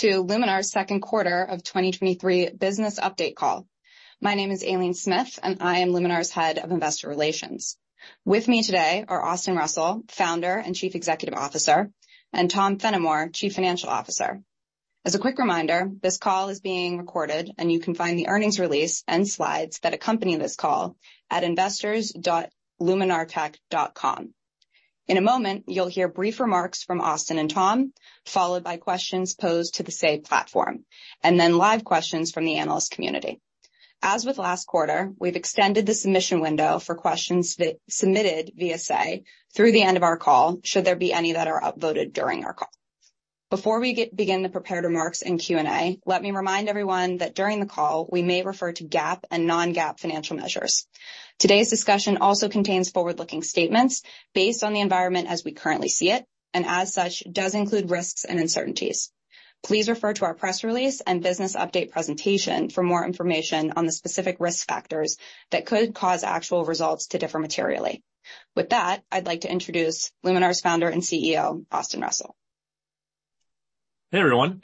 To Luminar's second quarter of 2023 business update call. My name is Aileen Smith, and I am Luminar's Head of Investor Relations. With me today are Austin Russell, Founder and Chief Executive Officer, and Thomas Fennimore, Chief Financial Officer. As a quick reminder, this call is being recorded, and you can find the earnings release and slides that accompany this call at investors.luminartech.com. In a moment, you'll hear brief remarks from Austin and Tom, followed by questions posed to the Say platform, and then live questions from the analyst community. As with last quarter, we've extended the submission window for questions that submitted via Say, through the end of our call, should there be any that are upvoted during our call. Before we begin the prepared remarks in Q&A, let me remind everyone that during the call, we may refer to GAAP and non-GAAP financial measures. Today's discussion also contains forward-looking statements based on the environment as we currently see it, and as such, does include risks and uncertainties. Please refer to our press release and business update presentation for more information on the specific risk factors that could cause actual results to differ materially. With that, I'd like to introduce Luminar's founder and CEO, Austin Russell. Hey, everyone,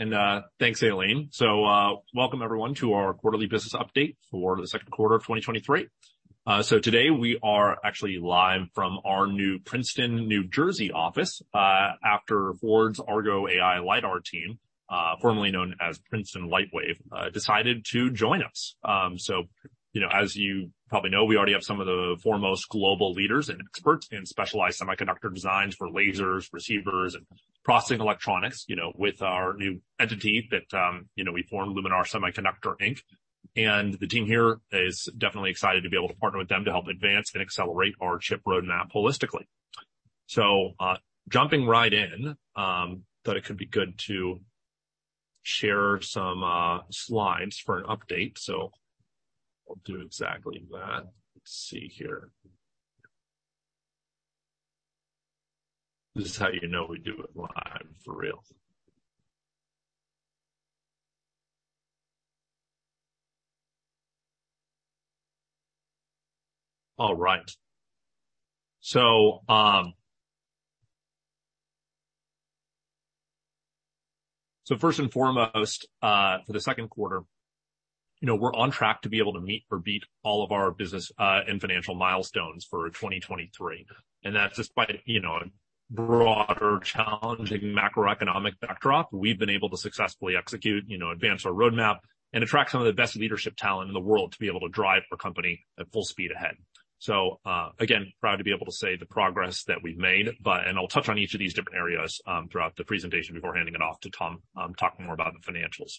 thanks, Aileen. Welcome everyone to our quarterly business update for the second quarter of 2023. Today we are actually live from our new Princeton, New Jersey office, after Ford's Argo AI LiDAR team, formerly known as Princeton Lightwave, decided to join us. You know, as you probably know, we already have some of the foremost global leaders and experts in specialized semiconductor designs for lasers, receivers, and processing electronics, you know, with our new entity that, we formed Luminar Semiconductor, Inc. The team here is definitely excited to be able to partner with them to help advance and accelerate our chip roadmap holistically. Jumping right in, thought it could be good to share some slides for an update. I'll do exactly that. Let's see here. This is how you know we do it live for real. All right. First and foremost, for the second quarter, you know, we're on track to be able to meet or beat all of our business and financial milestones for 2023, and that's despite, you know, a broader, challenging macroeconomic backdrop. We've been able to successfully execute, you know, advance our roadmap and attract some of the best leadership talent in the world to be able to drive our company at full speed ahead. Again, proud to be able to say the progress that we've made, but I'll touch on each of these different areas throughout the presentation before handing it off to Tom to talk more about the financials.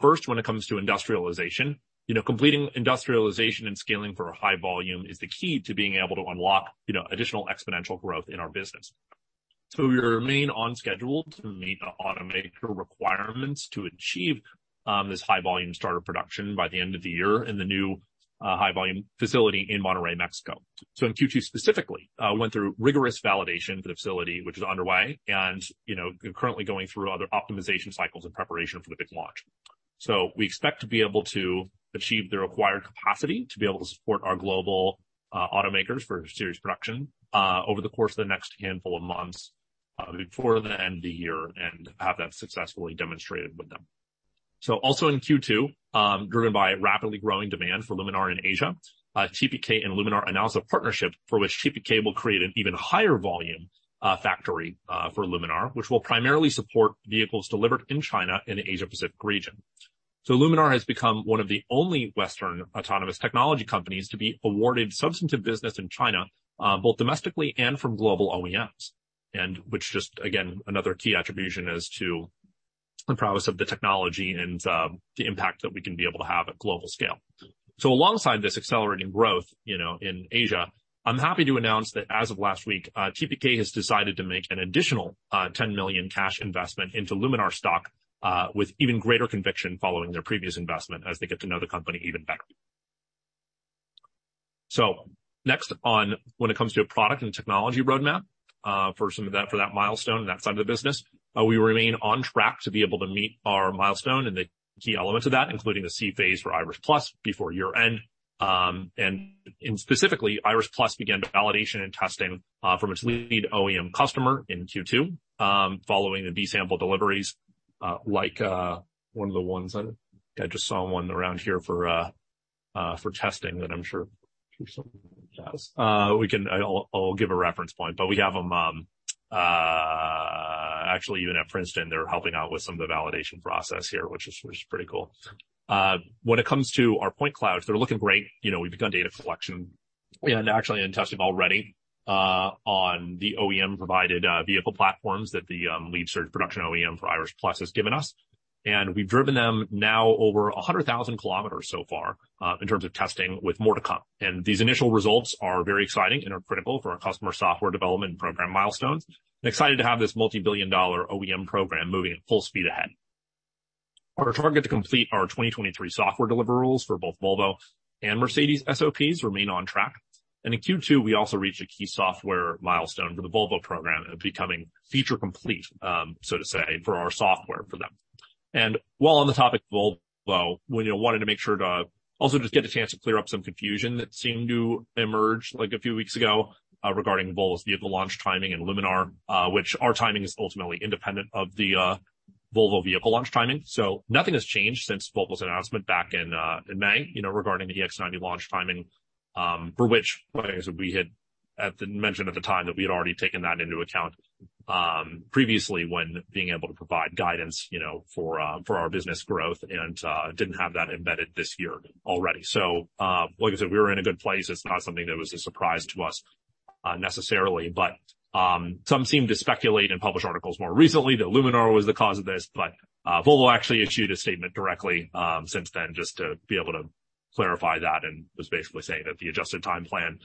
First, when it comes to industrialization, you know, completing industrialization and scaling for a high volume is the key to being able to unlock, you know, additional exponential growth in our business. We remain on schedule to meet the automaker requirements to achieve this high volume start of production by the end of the year in the new high volume facility in Monterrey, Mexico. In Q2, specifically, went through rigorous validation for the facility, which is underway and, you know, currently going through other optimization cycles in preparation for the big launch. We expect to be able to achieve the required capacity to be able to support our global automakers for serious production over the course of the next handful of months before the end of the year, and have that successfully demonstrated with them. Also in Q2, driven by rapidly growing demand for Luminar in Asia, TPK and Luminar announced a partnership for which TPK will create an even higher volume factory for Luminar, which will primarily support vehicles delivered in China and the Asia Pacific region. Luminar has become one of the only Western autonomous technology companies to be awarded substantive business in China, both domestically and from global OEMs, and which just again, another key attribution as to the promise of the technology and the impact that we can be able to have at global scale. Alongside this accelerating growth, you know, in Asia, I'm happy to announce that as of last week, TPK has decided to make an additional $10 million cash investment into Luminar stock, with even greater conviction following their previous investment as they get to know the company even better. Next on, when it comes to a product and technology roadmap, for some of that, for that milestone and that side of the business, we remain on track to be able to meet our milestone and the key elements of that, including the C-phase for IRIS+ before year-end. Specifically, IRIS+ began validation and testing from its lead OEM customer in Q2, following the B sample deliveries, like one of the ones that I just saw one around here for testing, that I'm sure we can... I'll give a reference point, but we have them actually, even at Princeton, they're helping out with some of the validation process here, which is, which is pretty cool. When it comes to our point clouds, they're looking great. You know, we've begun data collection and actually in testing already on the OEM-provided vehicle platforms that the lead surge production OEM for IRIS+ has given us. We've driven them now over 100,000 km so far in terms of testing, with more to come. These initial results are very exciting and are critical for our customer software development and program milestones. Excited to have this multi-billion dollar OEM program moving at full speed ahead. Our target to complete our 2023 software deliverables for both Volvo and Mercedes SOPs remain on track. In Q2, we also reached a key software milestone for the Volvo program of becoming feature complete, so to say, for our software for them. While on the topic of Volvo, we wanted to make sure to also just get a chance to clear up some confusion that seemed to emerge like a few weeks ago, regarding Volvo's vehicle launch timing and Luminar, which our timing is ultimately independent of the Volvo vehicle launch timing. Nothing has changed since Volvo's announcement back in May, you know, regarding the EX90 launch timing, for which we had mentioned at the time that we had already taken that into account, previously when being able to provide guidance, you know, for our business growth and didn't have that embedded this year already. Like I said, we were in a good place. It's not something that was a surprise to us, necessarily, but some seemed to speculate and publish articles more recently that Luminar was the cause of this. Volvo actually issued a statement directly since then, just to be able to clarify that, and was basically saying that the adjusted time plan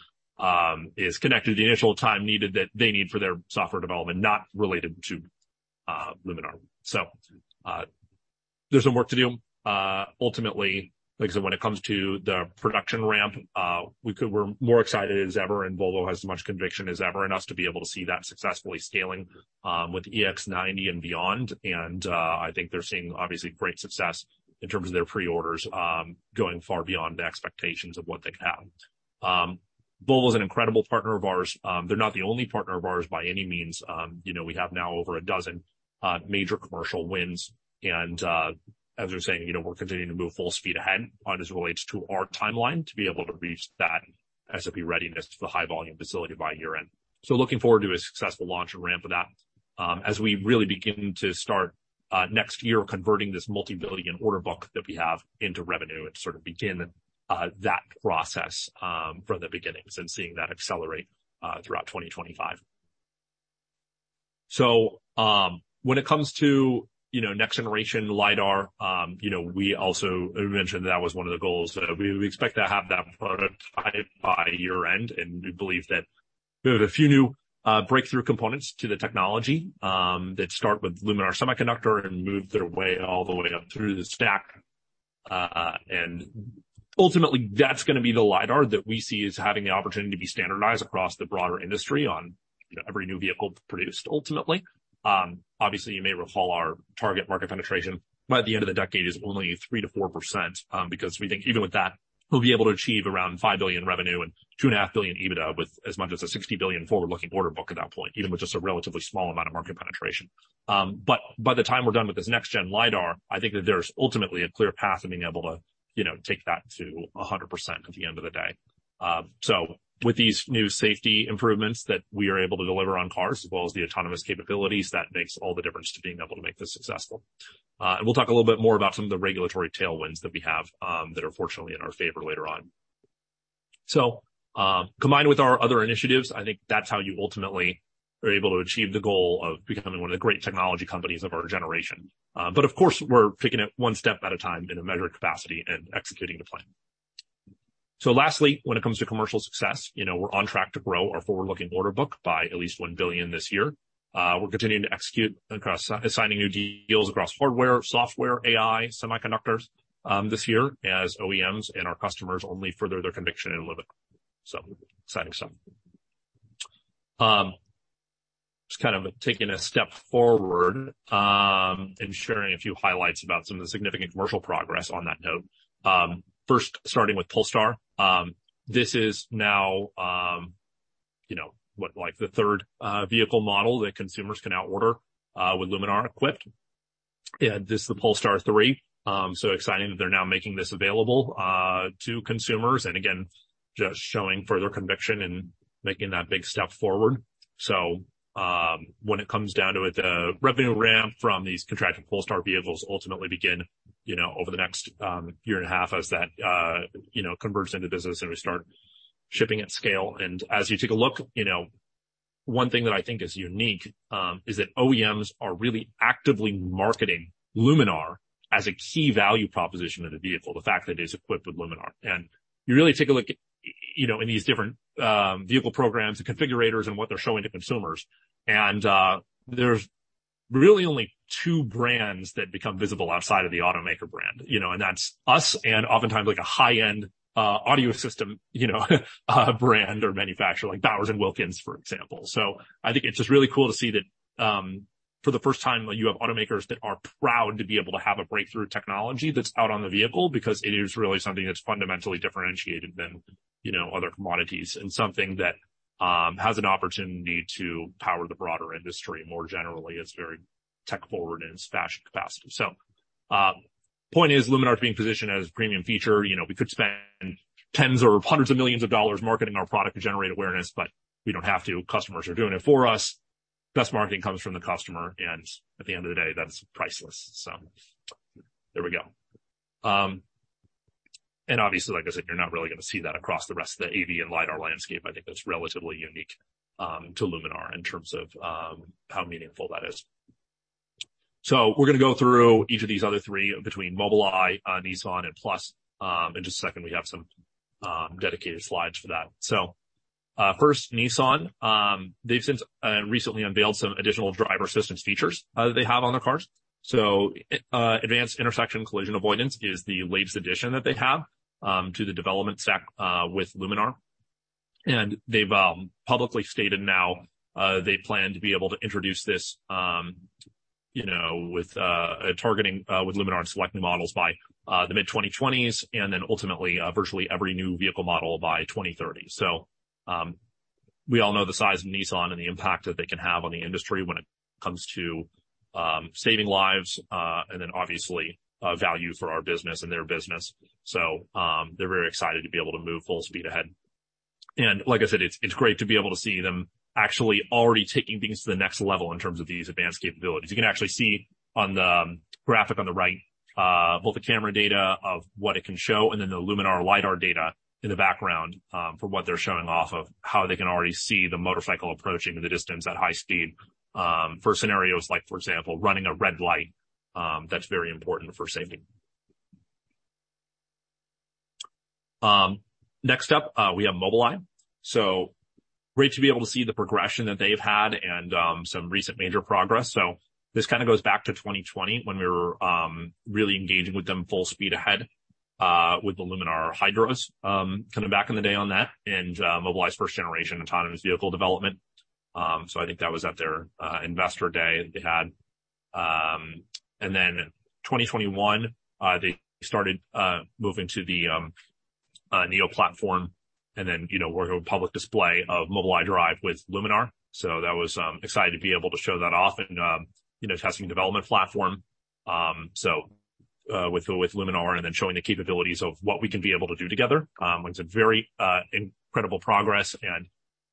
is connected to the initial time needed that they need for their software development, not related to Luminar. There's some work to do. Ultimately, like I said, when it comes to the production ramp, we're more excited as ever, and Volvo has as much conviction as ever in us to be able to see that successfully scaling with EX90 and beyond. I think they're seeing obviously great success in terms of their pre-orders, going far beyond the expectations of what they could have. Volvo is an incredible partner of ours. They're not the only partner of ours by any means. You know, we have now over a dozen major commercial wins, as we're saying, you know, we're continuing to move full speed ahead as it relates to our timeline, to be able to reach that SOP readiness to the high volume facility by year-end. Looking forward to a successful launch and ramp of that, as we really begin to start next year, converting this multi-billion order book that we have into revenue and sort of begin that process from the beginning and seeing that accelerate throughout 2025. When it comes to, you know, next generation LiDAR, you know, we also mentioned that was one of the goals. We expect to have that prototyped by year-end, and we believe that we have a few new breakthrough components to the technology that start with Luminar Semiconductor and move their way all the way up through the stack. And ultimately, that's going to be the LiDAR that we see as having the opportunity to be standardized across the broader industry on every new vehicle produced, ultimately. Obviously, you may recall our target market penetration by the end of the decade is only 3%-4%, because we think even with that, we'll be able to achieve around $5 billion in revenue and $2.5 billion EBITDA, with as much as a $60 billion forward-looking order book at that point, even with just a relatively small amount of market penetration. By the time we're done with this next-gen LiDAR, I think that there's ultimately a clear path to being able to, you know, take that to 100% at the end of the day. With these new safety improvements that we are able to deliver on cars, as well as the autonomous capabilities, that makes all the difference to being able to make this successful. We'll talk a little bit more about some of the regulatory tailwinds that we have that are fortunately in our favor later on. Combined with our other initiatives, I think that's how you ultimately are able to achieve the goal of becoming one of the great technology companies of our generation. Of course, we're taking it 1 step at a time in a measured capacity and executing the plan. Lastly, when it comes to commercial success, you know, we're on track to grow our forward-looking order book by at least $1 billion this year. We're continuing to execute across assigning new deals across hardware, software, AI, semiconductors this year as OEMs and our customers only further their conviction in Luminar. Exciting stuff. Just kind of taking a step forward, and sharing a few highlights about some of the significant commercial progress on that note. First, starting with Polestar, this is now, you know, what, like the third vehicle model that consumers can now order, with Luminar equipped. And this is the Polestar 3. So exciting that they're now making this available, to consumers, and again, just showing further conviction and making that big step forward. So, when it comes down to it, the revenue ramp from these contracted Polestar vehicles ultimately begin, you know, over the next, year and a half as that, you know, converts into business and we start shipping at scale. As you take a look, you know, one thing that I think is unique, is that OEMs are really actively marketing Luminar as a key value proposition of the vehicle, the fact that it is equipped with Luminar. You really take a look at, you know, in these different vehicle programs and configurators and what they're showing to consumers. There's really only two brands that become visible outside of the automaker brand, you know, and that's us and oftentimes, like a high-end audio system, you know, brand or manufacturer like Bowers & Wilkins, for example. I think it's just really cool to see that, for the first time, you have automakers that are proud to be able to have a breakthrough technology that's out on the vehicle, because it is really something that's fundamentally differentiated than, you know, other commodities. Something that has an opportunity to power the broader industry more generally. It's very tech forward in its fashion capacity. Point is, Luminar is being positioned as a premium feature. You know, we could spend $10s or $100s of millions marketing our product to generate awareness, but we don't have to. Customers are doing it for us. Best marketing comes from the customer, and at the end of the day, that's priceless. There we go. Obviously, like I said, you're not really going to see that across the rest of the AV and LiDAR landscape. I think that's relatively unique to Luminar in terms of how meaningful that is. We're going to go through each of these other 3 between Mobileye, Nissan and Plus. In just a second, we have some dedicated slides for that. First, Nissan, they've since recently unveiled some additional driver assistance features that they have on their cars. Advanced intersection collision avoidance is the latest addition that they have to the development stack with Luminar. They've publicly stated now they plan to be able to introduce this, you know, with targeting with Luminar, select new models by the mid-2020s, and then ultimately virtually every new vehicle model by 2030. We all know the size of Nissan and the impact that they can have on the industry when it comes to saving lives, and then obviously value for our business and their business. They're very excited to be able to move full speed ahead. Like I said, it's, it's great to be able to see them actually already taking things to the next level in terms of these advanced capabilities. You can actually see on the graphic on the right, both the camera data of what it can show, and then the Luminar LiDAR data in the background, for what they're showing off, of how they can already see the motorcycle approaching in the distance at high speed. For scenarios like, for example, running a red light, that's very important for safety. Next up, we have Mobileye. So great to be able to see the progression that they've had and some recent major progress. This kind of goes back to 2020, when we were, really engaging with them full speed ahead, with the Luminar Hydra, kind of back in the day on that, and Mobileye's first generation autonomous vehicle development. I think that was at their, investor day they had. In 2021, they started, moving to the, NIO platform and then, you know, worked on a public display of Mobileye Drive with Luminar. That was, exciting to be able to show that off and, you know, testing development platform. With, with Luminar and then showing the capabilities of what we can be able to do together, was a very, incredible progress, and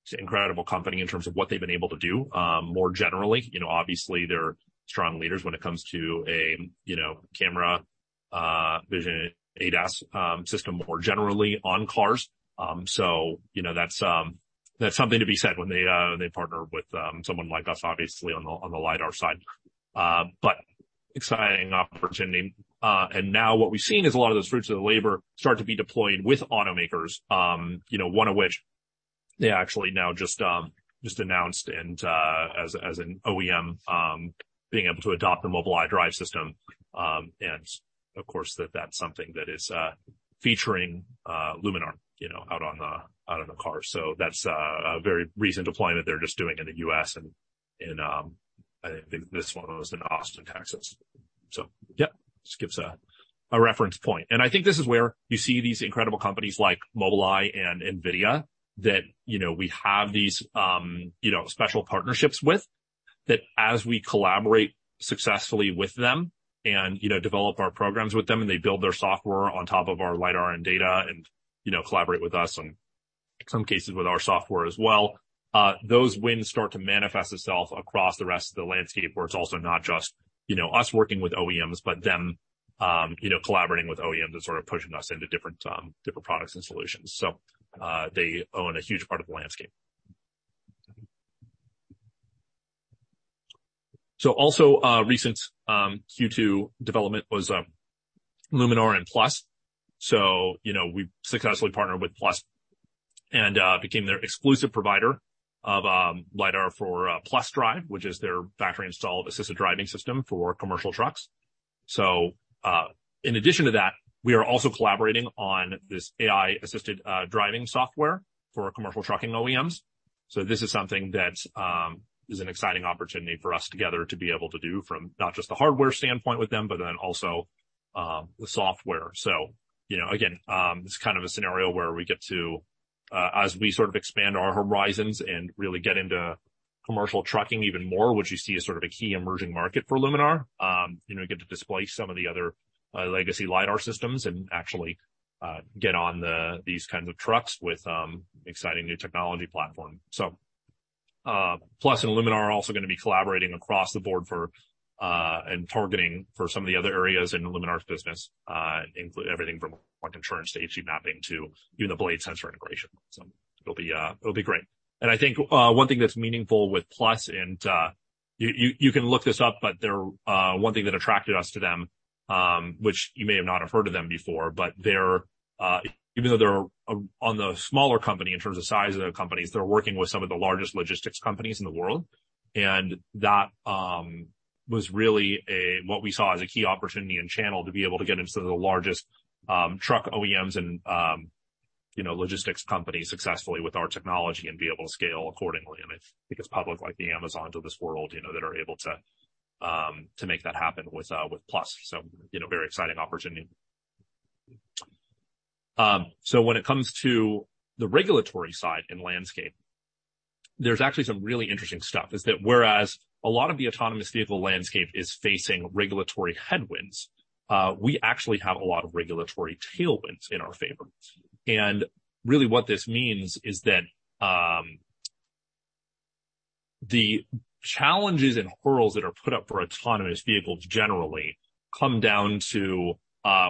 it's an incredible company in terms of what they've been able to do. More generally, you know, obviously, they're strong leaders when it comes to a, you know, camera, vision, ADAS system, more generally on cars. You know, that's that's something to be said when they partner with someone like us, obviously on the LiDAR side. Exciting opportunity. Now what we've seen is a lot of those fruits of the labor start to be deployed with automakers. You know, one of which they actually now just announced and as an OEM being able to adopt a Mobileye Drive system. Of course, that that's something that is featuring Luminar, you know, out on the out on the car. That's a very recent deployment they're just doing in the U.S. I think this one was in Austin, Texas. Yep, just gives a, a reference point. I think this is where you see these incredible companies like Mobileye and NVIDIA, that, you know, we have these, you know, special partnerships with. As we collaborate successfully with them and, you know, develop our programs with them, and they build their software on top of our lidar and data and, you know, collaborate with us, on some cases with our software as well, those wins start to manifest itself across the rest of the landscape, where it's also not just, you know, us working with OEMs, but them, you know, collaborating with OEMs and sort of pushing us into different, different products and solutions. They own a huge part of the landscape. Also, recent Q2 development was Luminar and Plus. You know, we successfully partnered with Plus and became their exclusive provider of lidar for PlusDrive, which is their factory-installed assisted driving system for commercial trucks. In addition to that, we are also collaborating on this AI-assisted driving software for commercial trucking OEMs. This is something that is an exciting opportunity for us together to be able to do from not just the hardware standpoint with them, but then also the software. You know, again, this is kind of a scenario where we get to, as we sort of expand our horizons and really get into commercial trucking even more, which you see as sort of a key emerging market for Luminar. You know, get to displace some of the other legacy lidar systems and actually get on the, these kinds of trucks with exciting new technology platform. Plus and Luminar are also going to be collaborating across the board for and targeting for some of the other areas in Luminar's business, including everything from insurance to HD mapping to even the Blade sensor integration. It'll be great. I think one thing that's meaningful with Plus, and you, you, you can look this up, but they're one thing that attracted us to them, which you may have not have heard of them before, but they're even though they're on the smaller company in terms of size of the companies, they're working with some of the largest logistics companies in the world. That was really what we saw as a key opportunity and channel to be able to get into the largest truck OEMs and, you know, logistics companies successfully with our technology and be able to scale accordingly. It's because public, like the Amazons of this world, you know, that are able to make that happen with Plus. You know, very exciting opportunity. When it comes to the regulatory side and landscape, there's actually some really interesting stuff, is that whereas a lot of the autonomous vehicle landscape is facing regulatory headwinds, we actually have a lot of regulatory tailwinds in our favor. Really what this means is that, the challenges and hurdles that are put up for autonomous vehicles generally come down to,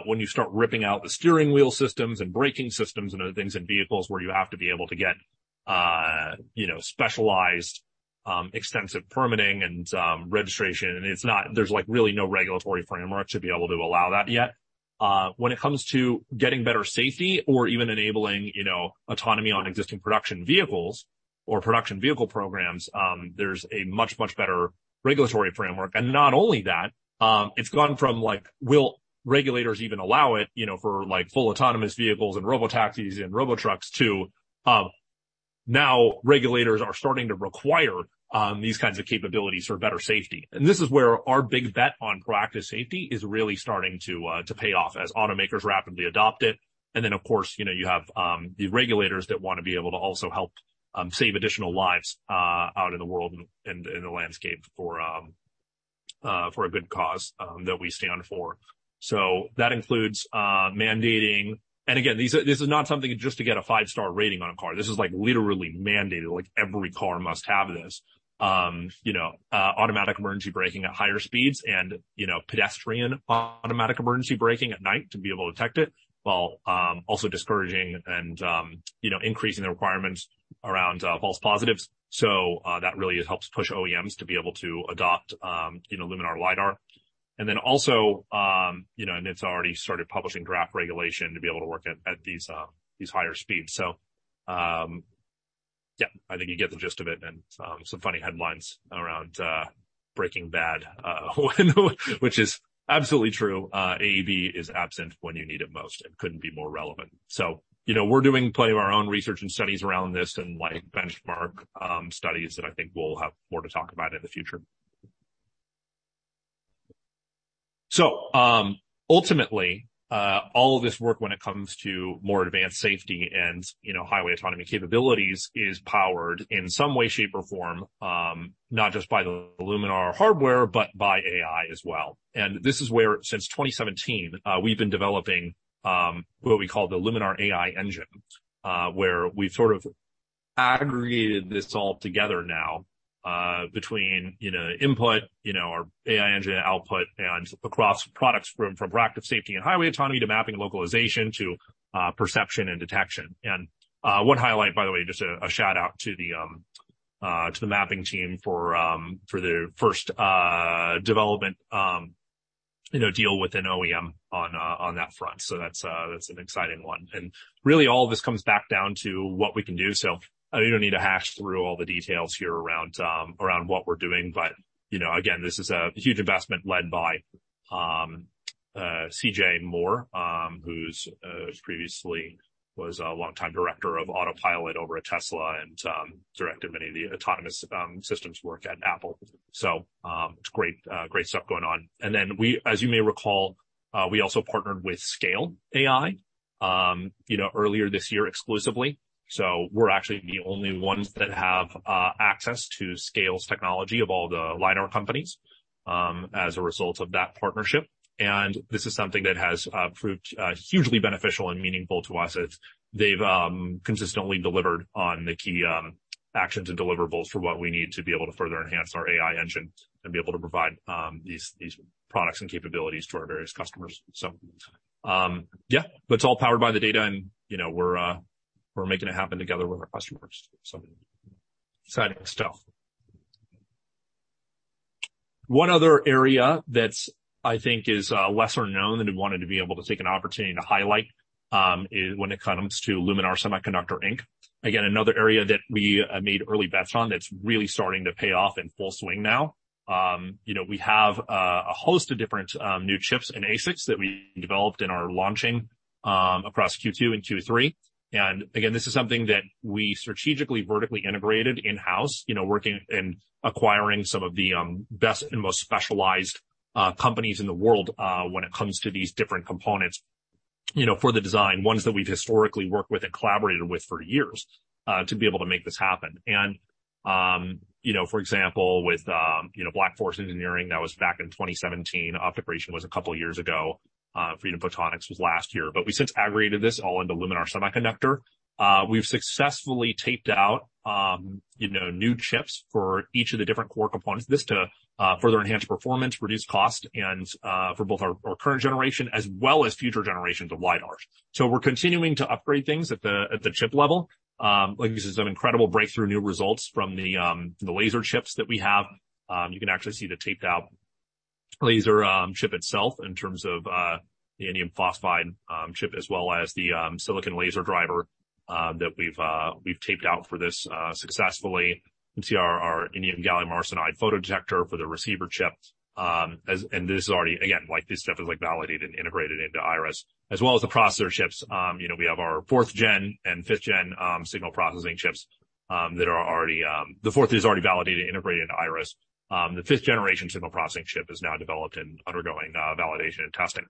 when you start ripping out the steering wheel systems and braking systems and other things in vehicles, where you have to be able to get, you know, specialized, extensive permitting and, registration. It's not, there's, like, really no regulatory framework to be able to allow that yet. When it comes to getting better safety or even enabling, you know, autonomy on existing production vehicles or production vehicle programs, there's a much, much better regulatory framework. Not only that, it's gone from like, will regulators even allow it, you know, for, like, full autonomous vehicles and robotaxis and robotrucks, to, now regulators are starting to require, these kinds of capabilities for better safety. This is where our big bet on practice safety is really starting to to pay off as automakers rapidly adopt it. Then, of course, you know, you have the regulators that want to be able to also help save additional lives out in the world and in the landscape for for a good cause that we stand for. That includes mandating. Again, these are, this is not something just to get a 5-star rating on a car. This is, like, literally mandated. Like, every car must have this. You know, automatic emergency braking at higher speeds and, you know, pedestrian automatic emergency braking at night to be able to detect it, while also discouraging and, you know, increasing the requirements around false positives. That really helps push OEMs to be able to adopt Luminar LiDAR. It's already started publishing draft regulation to be able to work at these higher speeds. I think you get the gist of it and some funny headlines around Braking Bad, which is absolutely true. AEB is absent when you need it most, and couldn't be more relevant. We're doing plenty of our own research and studies around this and, like, benchmark studies that I think we'll have more to talk about in the future. Ultimately, all of this work, when it comes to more advanced safety and, you know, highway autonomy capabilities, is powered in some way, shape, or form, not just by the Luminar hardware, but by AI as well. This is where, since 2017, we've been developing what we call the Luminar AI Engine, where we've sort of aggregated this all together now, between, you know, input, you know, our AI Engine output and across products from, from bracket safety and highway autonomy to mapping and localization to perception and detection. One highlight, by the way, just a, a shout-out to the mapping team for their first development, you know, deal with an OEM on that front. That's an exciting one. Really, all of this comes back down to what we can do. I don't need to hash through all the details here around, around what we're doing. You know, again, this is a huge investment led by CJ Moore, who's previously was a longtime director of Autopilot over at Tesla and directed many of the autonomous systems work at Apple. It's great, great stuff going on. We, as you may recall, we also partnered with Scale AI, you know, earlier this year, exclusively. We're actually the only ones that have access to Scale's technology of all the LiDAR companies as a result of that partnership. This is something that has proved hugely beneficial and meaningful to us, as they've consistently delivered on the key actions and deliverables for what we need to be able to further enhance our AI Engine and be able to provide these, these products and capabilities to our various customers. Yeah, but it's all powered by the data, and, you know, we're making it happen together with our customers. Exciting stuff. One other area that's I think is lesser-known, and we wanted to be able to take an opportunity to highlight, is when it comes to Luminar Semiconductor, Inc. Again, another area that we made early bets on, that's really starting to pay off in full swing now. You know, we have a host of different new chips and ASICs that we developed and are launching across Q2 and Q3. Again, this is something that we strategically, vertically integrated in-house, you know, working and acquiring some of the best and most specialized companies in the world when it comes to these different components, you know, for the design. Ones that we've historically worked with and collaborated with for years to be able to make this happen. You know, for example, with, you know, Black Forest Engineering, that was back in 2017. OptoGration was a couple of years ago. Freedom Photonics was last year. We since aggregated this all into Luminar Semiconductor. We've successfully taped out, you know, new chips for each of the different core components. This to further enhance performance, reduce cost, and for both our, our current generation as well as future generations of LiDARs. We're continuing to upgrade things at the, at the chip level. Like, this is an incredible breakthrough, new results from the the laser chips that we have. You can actually see the taped out laser chip itself in terms of the indium phosphide chip, as well as the silicon laser driver that we've we've taped out for this successfully. You can see our, our indium gallium arsenide photodetector for the receiver chip. This is already, again, like, this stuff is, like, validated and integrated into IRIS, as well as the processor chips. You know, we have our 4th-gen and 5th-gen signal processing chips that are already, the 4th is already validated and integrated into IRIS. The 5th generation signal processing chip is now developed and undergoing validation and testing.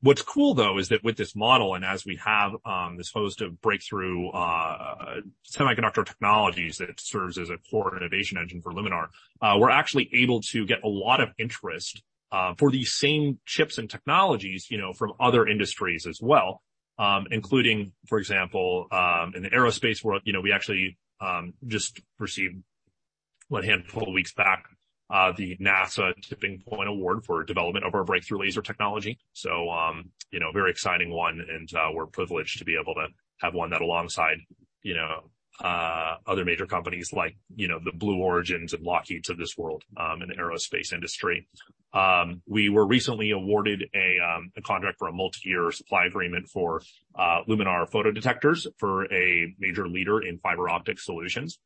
What's cool, though, is that with this model, and as we have this host of breakthrough semiconductor technologies that serves as a core innovation engine for Luminar, we're actually able to get a lot of interest for these same chips and technologies, you know, from other industries as well, including, for example, in the aerospace world. You know, we actually just received a handful of weeks back the NASA Tipping Point Award for development of our breakthrough laser technology. You know, very exciting one, and we're privileged to be able to have won that alongside, you know, other major companies like, you know, the Blue Origins and Lockheeds of this world in the aerospace industry. We were recently awarded a contract for a multiyear supply agreement for Luminar photodetectors for a major leader in fiber optic solutions...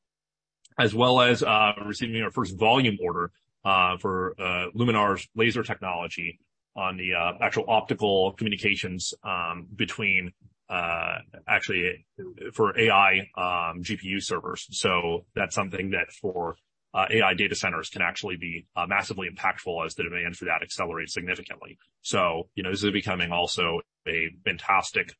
As well as receiving our first volume order for Luminar's laser technology on the actual optical communications between actually for AI GPU servers. That's something that for AI data centers can actually be massively impactful as the demand for that accelerates significantly. You know, this is becoming also a fantastic,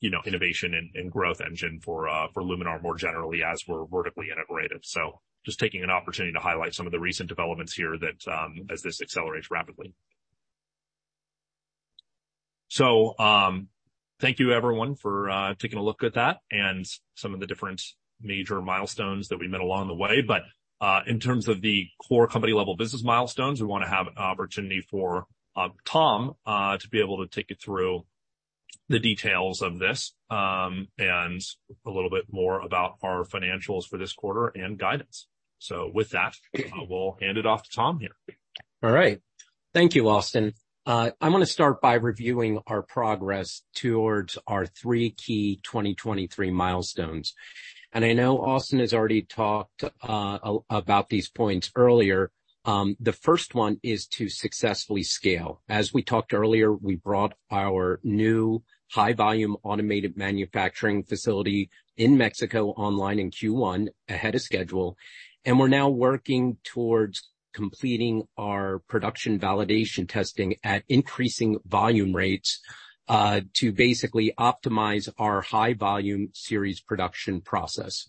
you know, innovation and growth engine for Luminar more generally as we're vertically integrated. Just taking an opportunity to highlight some of the recent developments here that as this accelerates rapidly. Thank you everyone for taking a look at that and some of the different major milestones that we met along the way. In terms of the core company level business milestones, we want to have an opportunity for Tom to be able to take you through the details of this and a little bit more about our financials for this quarter and guidance. With that, we'll hand it off to Tom here. All right. Thank you, Austin. I'm gonna start by reviewing our progress towards our three key 2023 milestones. I know Austin has already talked about these points earlier. The first one is to successfully scale. As we talked earlier, we brought our new high volume automated manufacturing facility in Mexico, online in Q1 ahead of schedule, and we're now working towards completing our production validation testing at increasing volume rates, to basically optimize our high volume series production process.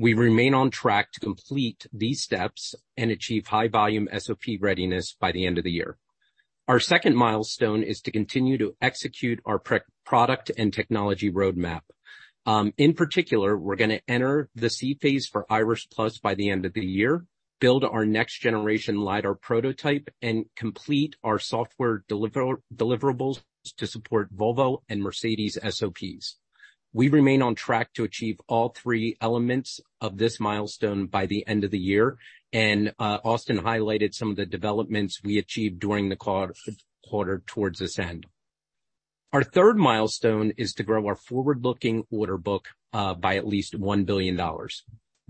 We remain on track to complete these steps and achieve high volume SOP readiness by the end of the year. Our second milestone is to continue to execute our pre- product and technology roadmap. In particular, we're gonna enter the C phase for IRIS+ by the end of the year, build our next generation lidar prototype, and complete our software deliverables to support Volvo and Mercedes SOPs. We remain on track to achieve all three elements of this milestone by the end of the year. Austin highlighted some of the developments we achieved during the quarter towards this end. Our third milestone is to grow our forward-looking order book by at least $1 billion.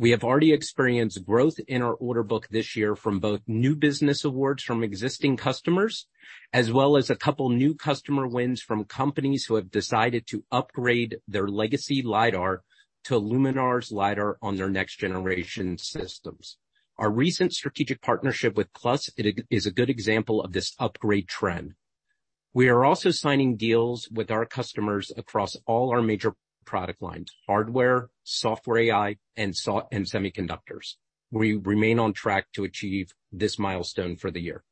We have already experienced growth in our order book this year from both new business awards from existing customers, as well as a couple new customer wins from companies who have decided to upgrade their legacy lidar to Luminar's lidar on their next generation systems. Our recent strategic partnership with Plus is a good example of this upgrade trend. We are also signing deals with our customers across all our major product lines, hardware, software, AI, and semiconductors. We remain on track to achieve this milestone for the year.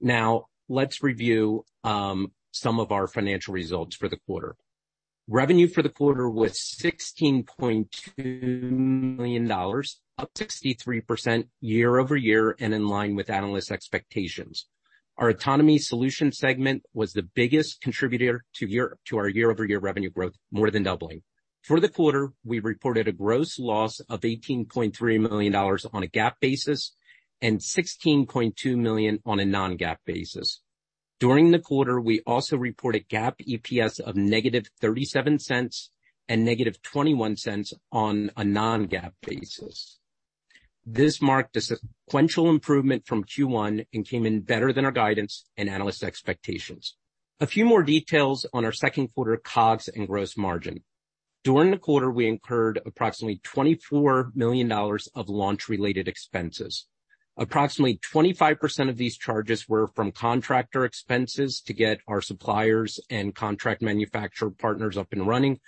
Now, let's review some of our financial results for the quarter. Revenue for the quarter was $16.2 million, up 63% year-over-year, and in line with analyst expectations. Our autonomy solution segment was the biggest contributor to our year-over-year revenue growth, more than doubling. For the quarter, we reported a gross loss of $18.3 million on a GAAP basis and $16.2 million on a non-GAAP basis. During the quarter, we also reported GAAP EPS of negative $0.37 and negative $0.21 on a non-GAAP basis. This marked a sequential improvement from Q1 and came in better than our guidance and analyst expectations. A few more details on our second quarter COGS and gross margin. During the quarter, we incurred approximately $24 million of launch-related expenses. Approximately 25% of these charges were from contractor expenses to get our suppliers and contract manufacturer partners up and running,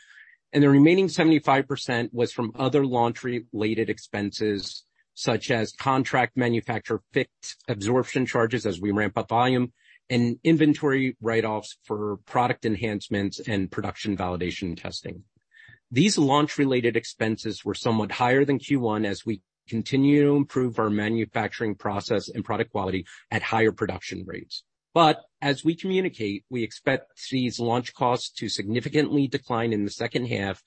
the remaining 75% was from other launch-related expenses, such as contract manufacturer, fixed absorption charges as we ramp up volume and inventory write-offs for product enhancements and production validation testing. These launch-related expenses were somewhat higher than Q1 as we continue to improve our manufacturing process and product quality at higher production rates. As we communicate, we expect these launch costs to significantly decline in the second half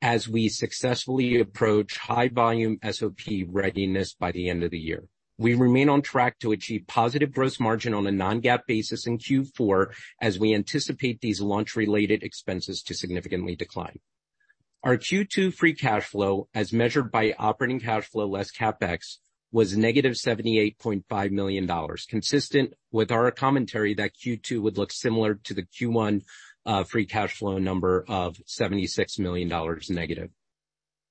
as we successfully approach high volume SOP readiness by the end of the year. We remain on track to achieve positive gross margin on a non-GAAP basis in Q4 as we anticipate these launch-related expenses to significantly decline. Our Q2 free cash flow, as measured by operating cash flow less CapEx, was -$78.5 million, consistent with our commentary that Q2 would look similar to the Q1 free cash flow number of -$76 million.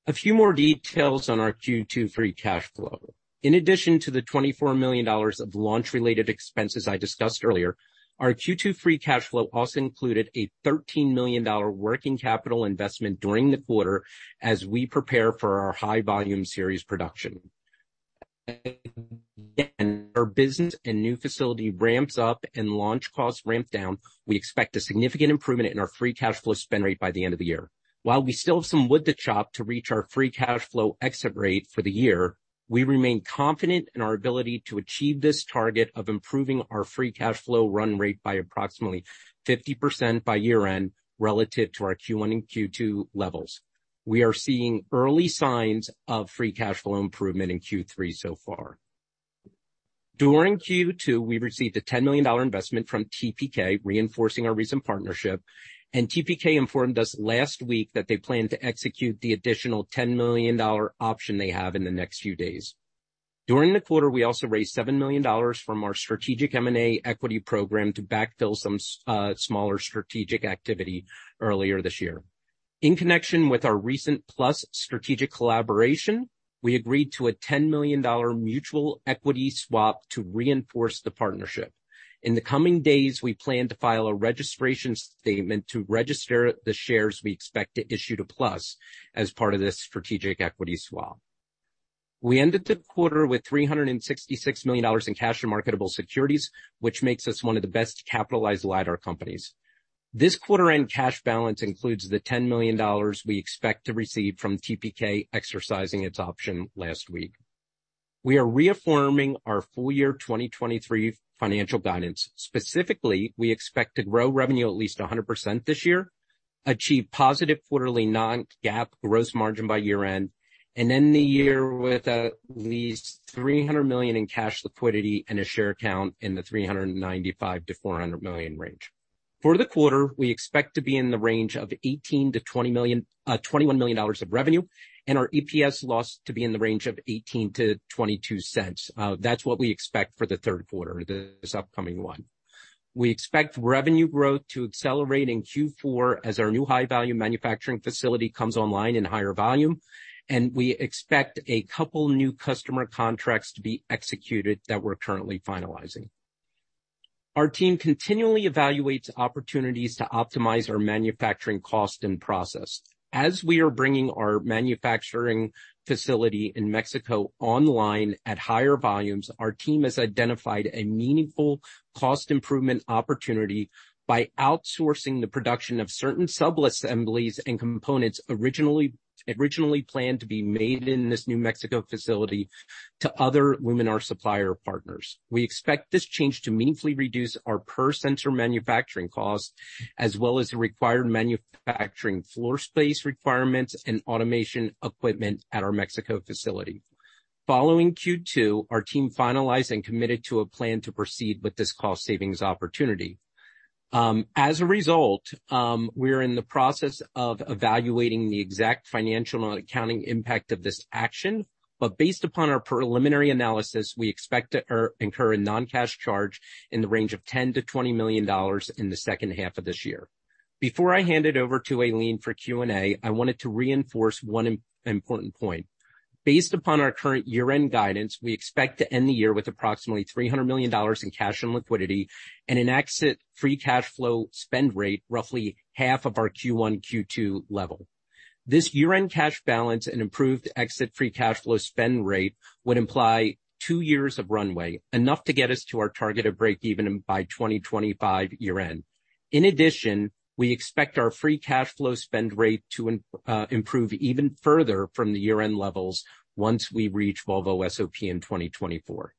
A few more details on our Q2 free cash flow. In addition to the $24 million of launch-related expenses I discussed earlier, our Q2 free cash flow also included a $13 million working capital investment during the quarter as we prepare for our high volume series production. Our business and new facility ramps up and launch costs ramp down, we expect a significant improvement in our free cash flow spend rate by the end of the year. While we still have some wood to chop to reach our free cash flow exit rate for the year, we remain confident in our ability to achieve this target of improving our free cash flow run rate by approximately 50% by year-end relative to our Q1 and Q2 levels. We are seeing early signs of free cash flow improvement in Q3 so far. During Q2, we received a $10 million investment from TPK, reinforcing our recent partnership, and TPK informed us last week that they plan to execute the additional $10 million option they have in the next few days. During the quarter, we also raised $7 million from our strategic M&A equity program to backfill some smaller strategic activity earlier this year. In connection with our recent Plus strategic collaboration, we agreed to a $10 million mutual equity swap to reinforce the partnership. In the coming days, we plan to file a registration statement to register the shares we expect to issue to plus as part of this strategic equity swap. We ended the quarter with $366 million in cash and marketable securities, which makes us one of the best capitalized LiDAR companies. This quarter-end cash balance includes the $10 million we expect to receive from TPK exercising its option last week. We are reaffirming our full year 2023 financial guidance. Specifically, we expect to grow revenue at least 100% this year, achieve positive quarterly non-GAAP gross margin by year-end, and end the year with at least $300 million in cash liquidity and a share count in the 395 million-400 million range. For the quarter, we expect to be in the range of $18 million-$21 million of revenue, and our EPS loss to be in the range of $0.18-$0.22. That's what we expect for the third quarter, this upcoming one. We expect revenue growth to accelerate in Q4 as our new high-value manufacturing facility comes online in higher volume, we expe ct a couple new customer contracts to be executed that we're currently finalizing. Our team continually evaluates opportunities to optimize our manufacturing cost and process. As we are bringing our manufacturing facility in Mexico online at higher volumes, our team has identified a meaningful cost improvement opportunity by outsourcing the production of certain sub assemblies and components originally, originally planned to be made in this new Mexico facility to other Luminar supplier partners. We expect this change to meaningfully reduce our per sensor manufacturing cost, as well as the required manufacturing floor space requirements and automation equipment at our Mexico facility. Following Q2, our team finalized and committed to a plan to proceed with this cost savings opportunity. As a result, we are in the process of evaluating the exact financial and accounting impact of this action, but based upon our preliminary analysis, we expect to incur a non-cash charge in the range of $10 million-$20 million in the second half of this year. Before I hand it over to Aileen for Q&A, I wanted to reinforce one important point. Based upon our current year-end guidance, we expect to end the year with approximately $300 million in cash and liquidity and an exit free cash flow spend rate, roughly half of our Q1, Q2 level. This year-end cash balance and improved exit free cash flow spend rate would imply two years of runway, enough to get us to our targeted break-even by 2025 year-end. In addition, we expect our free cash flow spend rate to improve even further from the year-end levels once we reach Volvo SOP in 2024.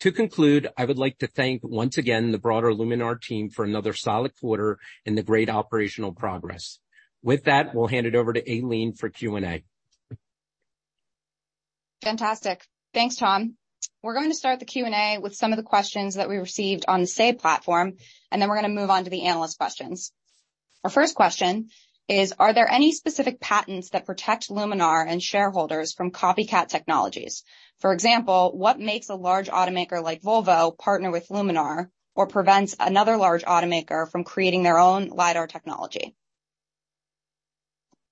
To conclude, I would like to thank once again the broader Luminar team for another solid quarter and the great operational progress. With that, we'll hand it over to Aileen for Q&A. Fantastic. Thanks, Tom. We're going to start the Q&A with some of the questions that we received on the Say platform, then we're going to move on to the analyst questions. Our first question is: Are there any specific patents that protect Luminar and shareholders from copycat technologies? For example, what makes a large automaker, like Volvo Cars, partner with Luminar or prevents another large automaker from creating their own LiDAR technology?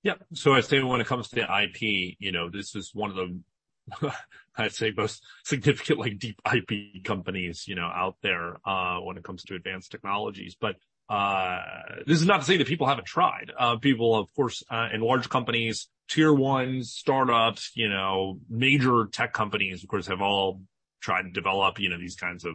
Yep. I'd say when it comes to IP, you know, this is one of the, I'd say, most significant, like, deep IP companies, you know, out there, when it comes to advanced technologies. This is not to say that people haven't tried. People, of course, and large companies, tier ones, startups, you know, major tech companies, of course, have all tried to develop, you know, these kinds of,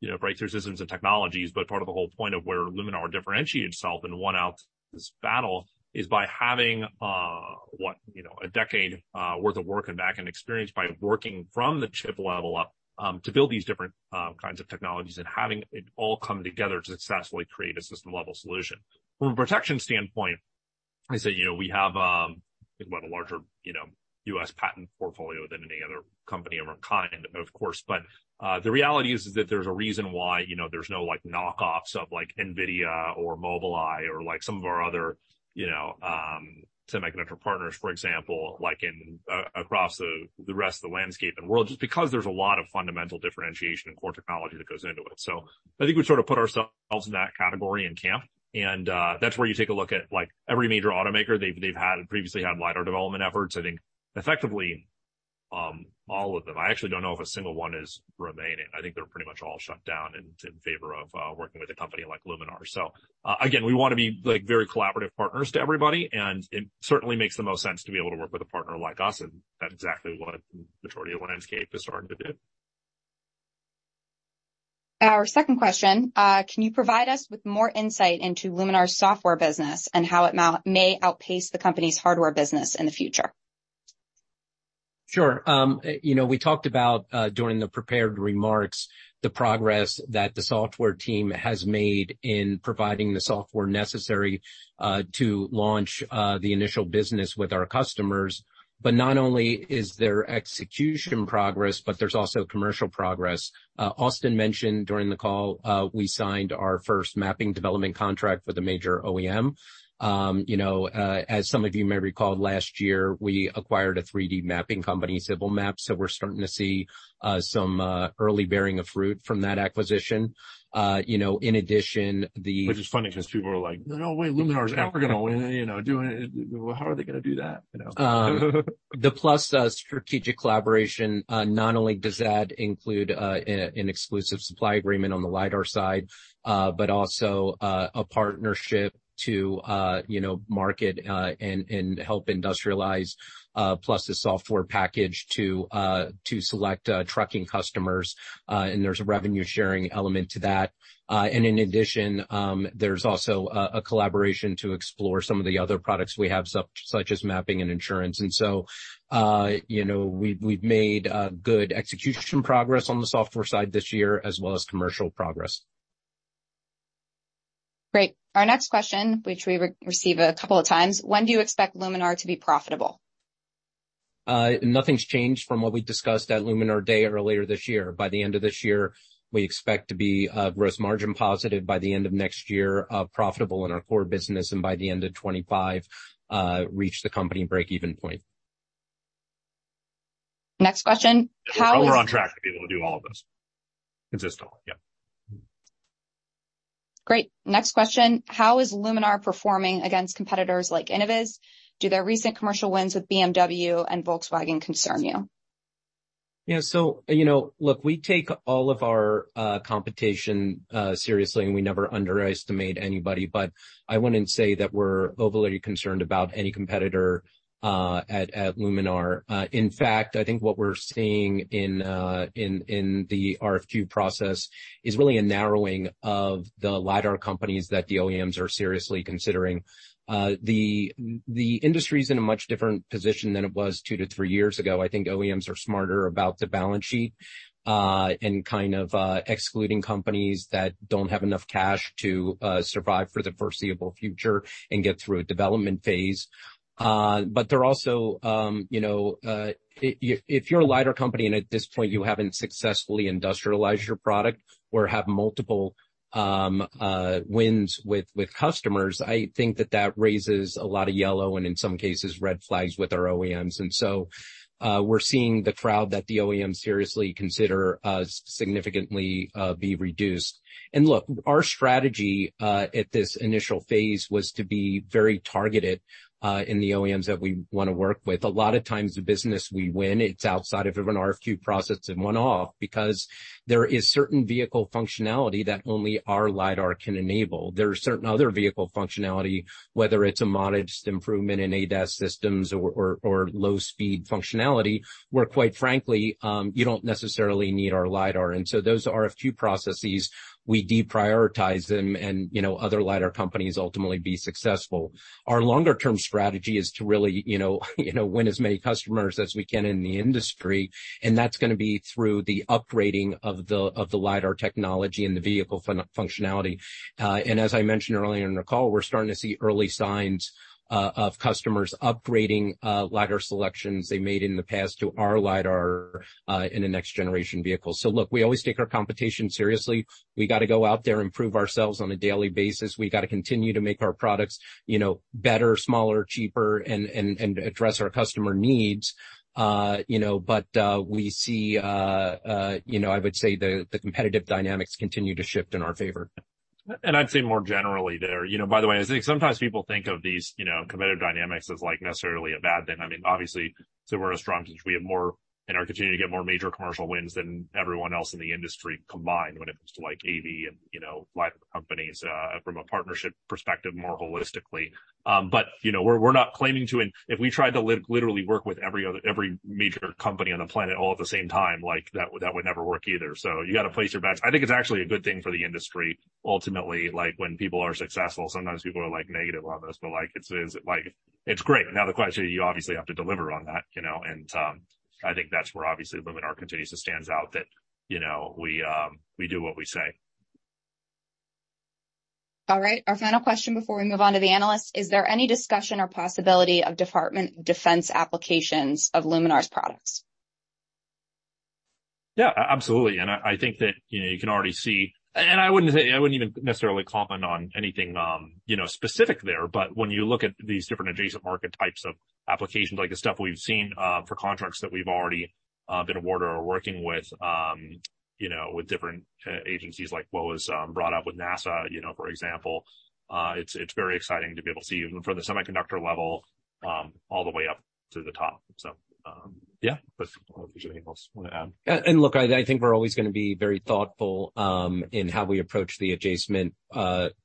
you know, breakthrough systems and technologies. Part of the whole point of where Luminar differentiated itself and won out this battle is by having, what? You know, a decade worth of work and back-end experience, by working from the chip level up, to build these different kinds of technologies and having it all come together to successfully create a system-level solution. From a protection standpoint, I say, you know, we have, what, a larger, you know, U.S. patent portfolio than any other company of our kind, of course. The reality is, is that there's a reason why, you know, there's no, like, knockoffs of, like, NVIDIA or Mobileye or, like, some of our other, you know, semiconductor partners, for example, like in, across the, the rest of the landscape and world, just because there's a lot of fundamental differentiation and core technology that goes into it. I think we've sort of put ourselves in that category and camp, and that's where you take a look at, like, every major automaker. They've, they've had, previously had LiDAR development efforts. I think effectively, all of them. I actually don't know if a single one is remaining. I think they're pretty much all shut down in, in favor of working with a company like Luminar. Again, we want to be, like, very collaborative partners to everybody, and it certainly makes the most sense to be able to work with a partner like us, and that's exactly what the majority of one escape is starting to do. Our second question. Can you provide us with more insight into Luminar's software business and how it may outpace the company's hardware business in the future? Sure. You know, we talked about during the prepared remarks, the progress that the software team has made in providing the software necessary to launch the initial business with our customers. Not only is there execution progress, but there's also commercial progress. Austin mentioned during the call, we signed our first mapping development contract with a major OEM. You know, as some of you may recall, last year, we acquired a 3D mapping company, Civil Maps, so we're starting to see some early bearing of fruit from that acquisition. You know, in addition. Which is funny, because people are like, "No, wait, Luminar is never gonna win, you know, doing it. How are they gonna do that?" You know. The Plus strategic collaboration, not only does that include an exclusive supply agreement on the lidar side, but also a partnership to, you know, market, and help industrialize Plus the software package to select trucking customers, and there's a revenue-sharing element to that. In addition, there's also a collaboration to explore some of the other products we have, such as mapping and insurance. So, you know, we've made good execution progress on the software side this year, as well as commercial progress. Great. Our next question, which we re-received a couple of times: When do you expect Luminar to be profitable? Nothing's changed from what we discussed at Luminar Day earlier this year. By the end of this year, we expect to be gross margin positive by the end of next year, profitable in our core business, and by the end of 2025, reach the company breakeven point. Next question. We're on track to be able to do all of this. Consistent, yeah. Great. Next question: How is Luminar performing against competitors like Innoviz? Do their recent commercial wins with BMW and Volkswagen concern you? You know, look, we take all of our competition seriously, and we never underestimate anybody. I wouldn't say that we're overly concerned about any competitor at Luminar. In fact, I think what we're seeing in the RFQ process is really a narrowing of the LiDAR companies that the OEMs are seriously considering. The industry's in a much different position than it was two-three years ago. I think OEMs are smarter about the balance sheet and kind of excluding companies that don't have enough cash to survive for the foreseeable future and get through a development phase. They're also, you know, if you, if you're a LiDAR company, and at this point, you haven't successfully industrialized your product or have multiple wins with, with customers, I think that that raises a lot of yellow, and in some cases, red flags with our OEMs. We're seeing the crowd that the OEMs seriously consider, significantly, be reduced. Look, our strategy, at this initial phase was to be very targeted, in the OEMs that we wanna work with. A lot of times, the business we win, it's outside of an RFQ process and one-off because there is certain vehicle functionality that only our lidar can enable. There are certain other vehicle functionality, whether it's a modest improvement in ADAS systems or, or, or low-speed functionality, where, quite frankly, you don't necessarily need our lidar. Those RFQ processes, we deprioritize them and, you know, other lidar companies ultimately be successful. Our longer-term strategy is to really, you know, you know, win as many customers as we can in the industry, and that's gonna be through the upgrading of the lidar technology and the vehicle functionality. As I mentioned earlier in the call, we're starting to see early signs of customers upgrading lidar selections they made in the past to our lidar in the next generation vehicle. Look, we always take our competition seriously. We got to go out there and prove ourselves on a daily basis. We got to continue to make our products, you know, better, smaller, cheaper and address our customer needs, you know, but, we see, you know, I would say the competitive dynamics continue to shift in our favor. I'd say more generally there, you know, by the way, I think sometimes people think of these, you know, competitive dynamics as, like, necessarily a bad thing. I mean, obviously, so we're as strong as we have more and are continuing to get more major commercial wins than everyone else in the industry combined, when it comes to, like, AV and, you know, LiDAR companies, from a partnership perspective, more holistically. You know, we're, we're not claiming to win. If we tried to literally work with every other, every major company on the planet all at the same time, like, that would, that would never work either. So you got to place your bets. I think it's actually a good thing for the industry, ultimately, like, when people are successful, sometimes people are, like, negative on this, but, like, it's, like, it's great. Now, the question, you obviously have to deliver on that, you know, and I think that's where, obviously, Luminar continues to stands out, that, you know, we, we do what we say. All right, our final question before we move on to the analysts: Is there any discussion or possibility of Department of Defense applications of Luminar's products? Yeah, absolutely. I, I think that, you know, you can already see... I wouldn't say, I wouldn't even necessarily comment on anything, you know, specific there, but when you look at these different adjacent market types of applications, like the stuff we've seen for contracts that we've already been awarded or working with, you know, with different agencies, like what was brought up with NASA, you know, for example, it's, it's very exciting to be able to see even from the semiconductor level, all the way up to the top. Yeah, but I don't know if there's anything else you want to add. Look, I, I think we're always gonna be very thoughtful in how we approach the adjacent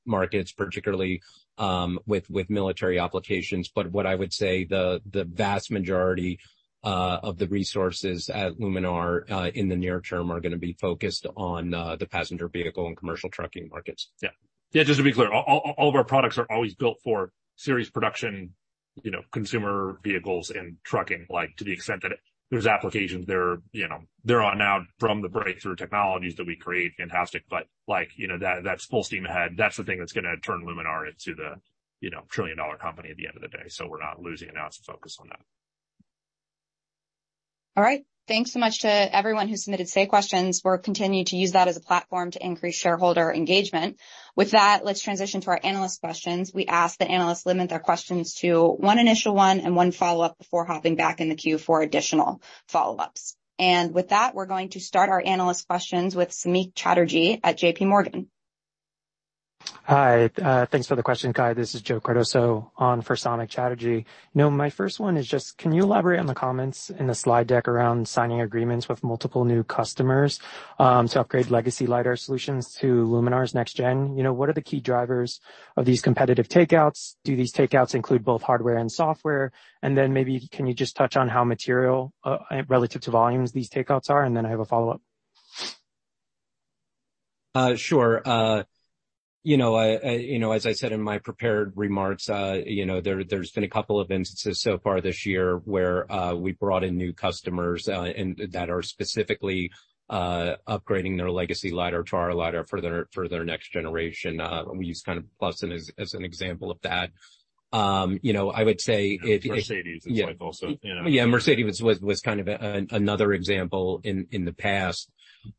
markets, particularly with, with military applications. What I would say, the vast majority of the resources at Luminar in the near term, are gonna be focused on the passenger vehicle and commercial trucking markets. Yeah. Yeah, just to be clear, all of our products are always built for serious production. You know, consumer vehicles and trucking, like, to the extent that there's applications there, you know, there are now from the breakthrough technologies that we create, fantastic. Like, you know, that, that's full steam ahead. That's the thing that's gonna turn Luminar into the, you know, trillion-dollar company at the end of the day. We're not losing an ounce of focus on that. All right, thanks so much to everyone who submitted Say questions. We'll continue to use that as a platform to increase shareholder engagement. With that, let's transition to our analyst questions. We ask that analysts limit their questions to one initial one and one follow-up before hopping back in the queue for additional follow-ups. With that, we're going to start our analyst questions with Samik Chatterjee at JP Morgan. Hi, thanks for the question, guys. This is Joseph Cardoso on for Samik Chatterjee. You know, my first one is just, can you elaborate on the comments in the slide deck around signing agreements with multiple new customers, to upgrade legacy lidar solutions to Luminar's next gen? You know, what are the key drivers of these competitive takeouts? Do these takeouts include both hardware and software? Then maybe can you just touch on how material, relative to volumes these takeouts are? Then I have a follow-up. Sure. You know, you know, as I said in my prepared remarks, you know, there, there's been a couple of instances so far this year where, we brought in new customers, and that are specifically, upgrading their legacy LiDAR to our LiDAR for their, for their next generation. We use kind of Plus as, as an example of that. You know, I would say- Mercedes-Benz, it's like also, you know. Yeah, Mercedes-Benz was, was, was kind of a, another example in, in the past.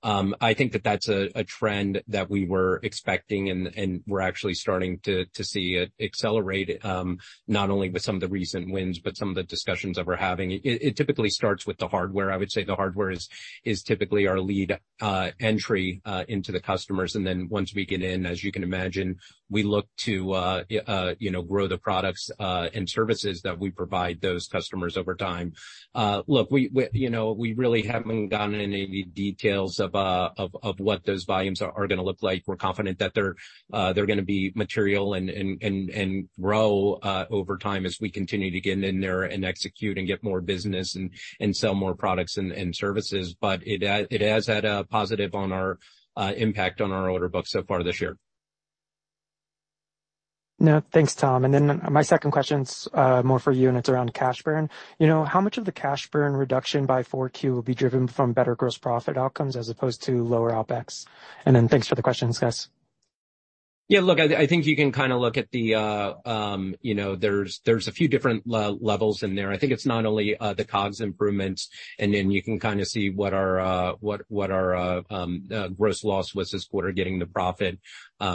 I think that that's a, a trend that we were expecting, and, and we're actually starting to, to see it accelerate, not only with some of the recent wins, but some of the discussions that we're having. It, it typically starts with the hardware. I would say the hardware is, is typically our lead entry into the customers. Then once we get in, as you can imagine, we look to, you know, grow the products and services that we provide those customers over time. Look, we, we, you know, we really haven't gone in any details of, of what those volumes are, are gonna look like. We're confident that they're, they're gonna be material and grow, over time as we continue to get in there and execute and get more business and sell more products and services. It has, it has had a positive on our, impact on our order book so far this year. No, thanks, Tom. Then my second question's more for you, and it's around cash burn. You know, how much of the cash burn reduction by 4Q will be driven from better gross profit outcomes as opposed to lower OpEx? Then thanks for the questions, guys. Yeah, look, I, I think you can kinda look at the, you know, there's, there's a few different levels in there. I think it's not only the COGS improvements, and then you can kinda see what our, what, what our gross loss was this quarter, getting the profit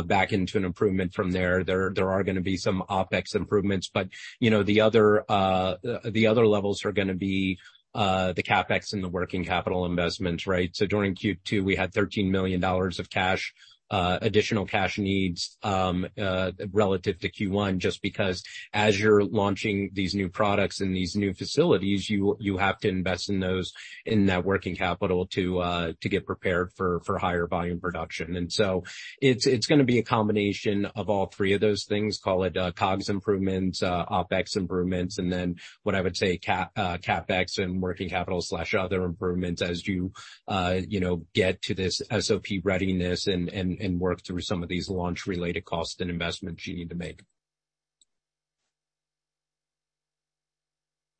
back into an improvement from there. There, there are gonna be some OpEx improvements, but, you know, the other, the other levels are gonna be the CapEx and the working capital investments, right? During Q2, we had $13 million of cash, additional cash needs, relative to Q1, just because as you're launching these new products and these new facilities, you, you have to invest in those, in that working capital to get prepared for, for higher volume production. So it's, it's gonna be a combination of all three of those things, call it, COGS improvements, OpEx improvements, and then what I would say, CapEx and working capital/other improvements as you, you know, get to this SOP readiness and, and, and work through some of these launch-related costs and investments you need to make.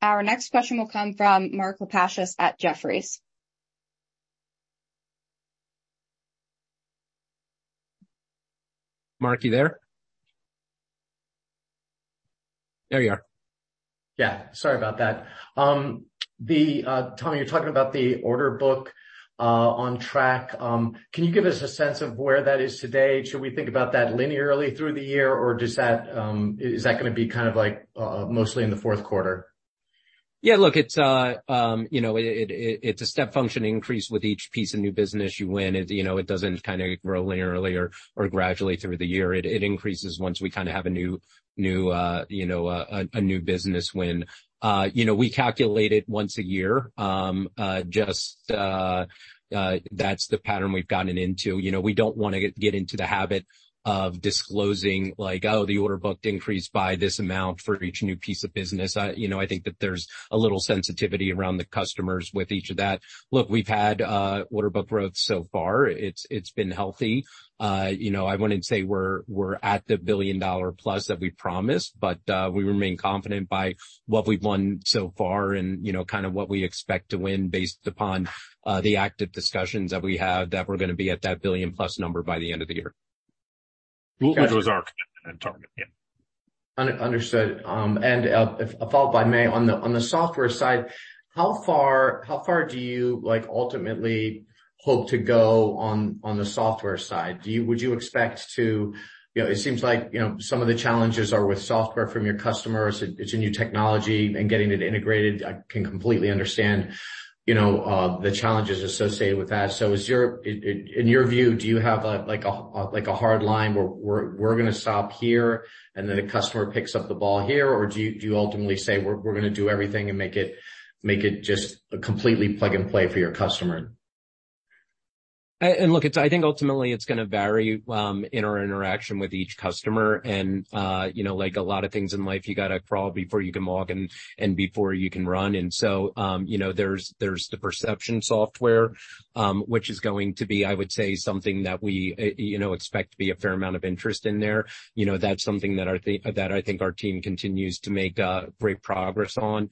Our next question will come from Mark Lipacis at Jefferies. Mark, you there? There you are. Yeah, sorry about that. The, Tom, you're talking about the order book on track. Can you give us a sense of where that is today? Should we think about that linearly through the year, or does that gonna be kind of like mostly in the fourth quarter? Yeah, look, it's, you know, it, it, it's a step function increase with each piece of new business you win. It, you know, it doesn't kind of grow linearly or, or gradually through the year. It, it increases once we kind of have a new, new, you know, a, a new business win. You know, we calculate it once a year. That's the pattern we've gotten into. You know, we don't want to get, get into the habit of disclosing, like, oh, the order book increased by this amount for each new piece of business. You know, I think that there's a little sensitivity around the customers with each of that. Look, we've had, order book growth so far. It's, it's been healthy. You know, I wouldn't say we're, we're at the billion-dollar plus that we promised. We remain confident by what we've won so far and, you know, kind of what we expect to win based upon the active discussions that we have, that we're gonna be at that billion-plus number by the end of the year. Which was our commitment and target, yeah. Understood. And a follow-up, if I may. On the software side, how far, how far do you like, ultimately hope to go on the software side? Would you expect to, you know, it seems like, you know, some of the challenges are with software from your customers. It's a new technology and getting it integrated. I can completely understand, you know, the challenges associated with that. Is your, in your view, do you have a, like a, like a hard line where we're, we're gonna stop here, and then the customer picks up the ball here? Or do you, do you ultimately say, we're, we're gonna do everything and make it, make it just a completely plug-and-play for your customer? ... look, it's, I think ultimately it's gonna vary, in our interaction with each customer. You know, like a lot of things in life, you gotta crawl before you can walk and, and before you can run. You know, there's, there's the perception software, which is going to be, I would say, something that we, you know, expect to be a fair amount of interest in there. You know, that's something that that I think our team continues to make great progress on.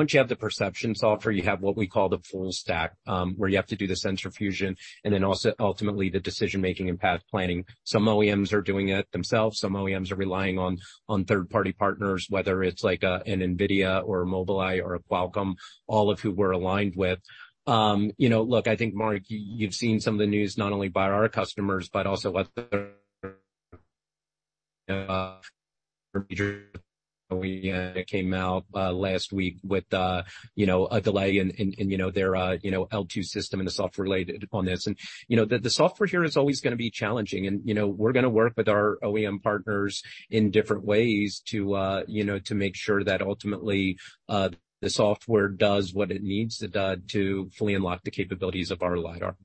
Once you have the perception software, you have what we call the full stack, where you have to do the sensor fusion and then also ultimately the decision making and path planning. Some OEMs are doing it themselves, some OEMs are relying on, on third-party partners, whether it's like a, an NVIDIA or a Mobileye or a Qualcomm, all of who we're aligned with. You know, look, I think, Mark, you, you've seen some of the news, not only by our customers, but also other, we came out last week with, you know, a delay in, in, in, you know, their, you know, L2 system and the software related on this. You know, the software here is always gonna be challenging, and, you know, we're gonna work with our OEM partners in different ways to, you know, to make sure that ultimately, the software does what it needs to do to fully unlock the capabilities of our LiDAR.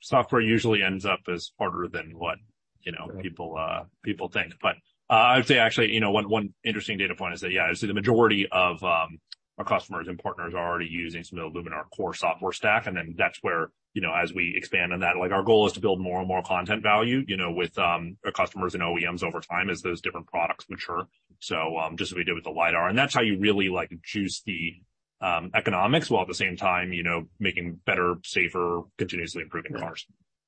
Software usually ends up as harder than what, you know, people, people think. I would say actually, you know, one, one interesting data point is that, yeah, I'd say the majority of our customers and partners are already using some of the Luminar core software stack, and then that's where, you know, as we expand on that, like, our goal is to build more and more content value, you know, with, our customers and OEMs over time as those different products mature. Just as we did with the LiDAR, and that's how you really, like, juice the economics, while at the same time, you know, making better, safer, continuously improving cars.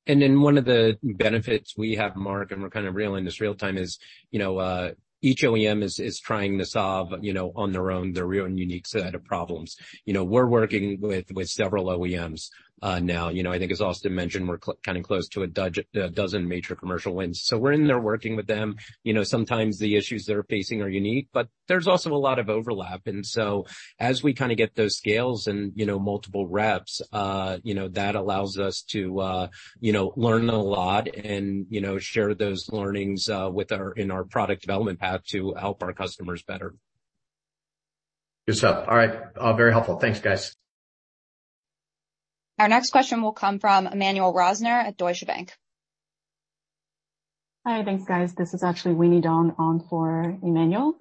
One of the benefits we have, Mark, and we're kind of real in this real time, is, you know, each OEM is, is trying to solve, you know, on their own, their real and unique set of problems. You know, we're working with, with several OEMs, now. You know, I think as Austin mentioned, we're kind of close to a dozen major commercial wins. We're in there working with them. You know, sometimes the issues they're facing are unique, but there's also a lot of overlap. As we kind of get those scales and, you know, multiple reps, you know, that allows us to, you know, learn a lot and, you know, share those learnings, with our – in our product development path to help our customers better. Good stuff. All right, very helpful. Thanks, guys. Our next question will come from Emmanuel Rosner at Deutsche Bank. Hi. Thanks, guys. This is actually Winnie Dong on for Emmanuel.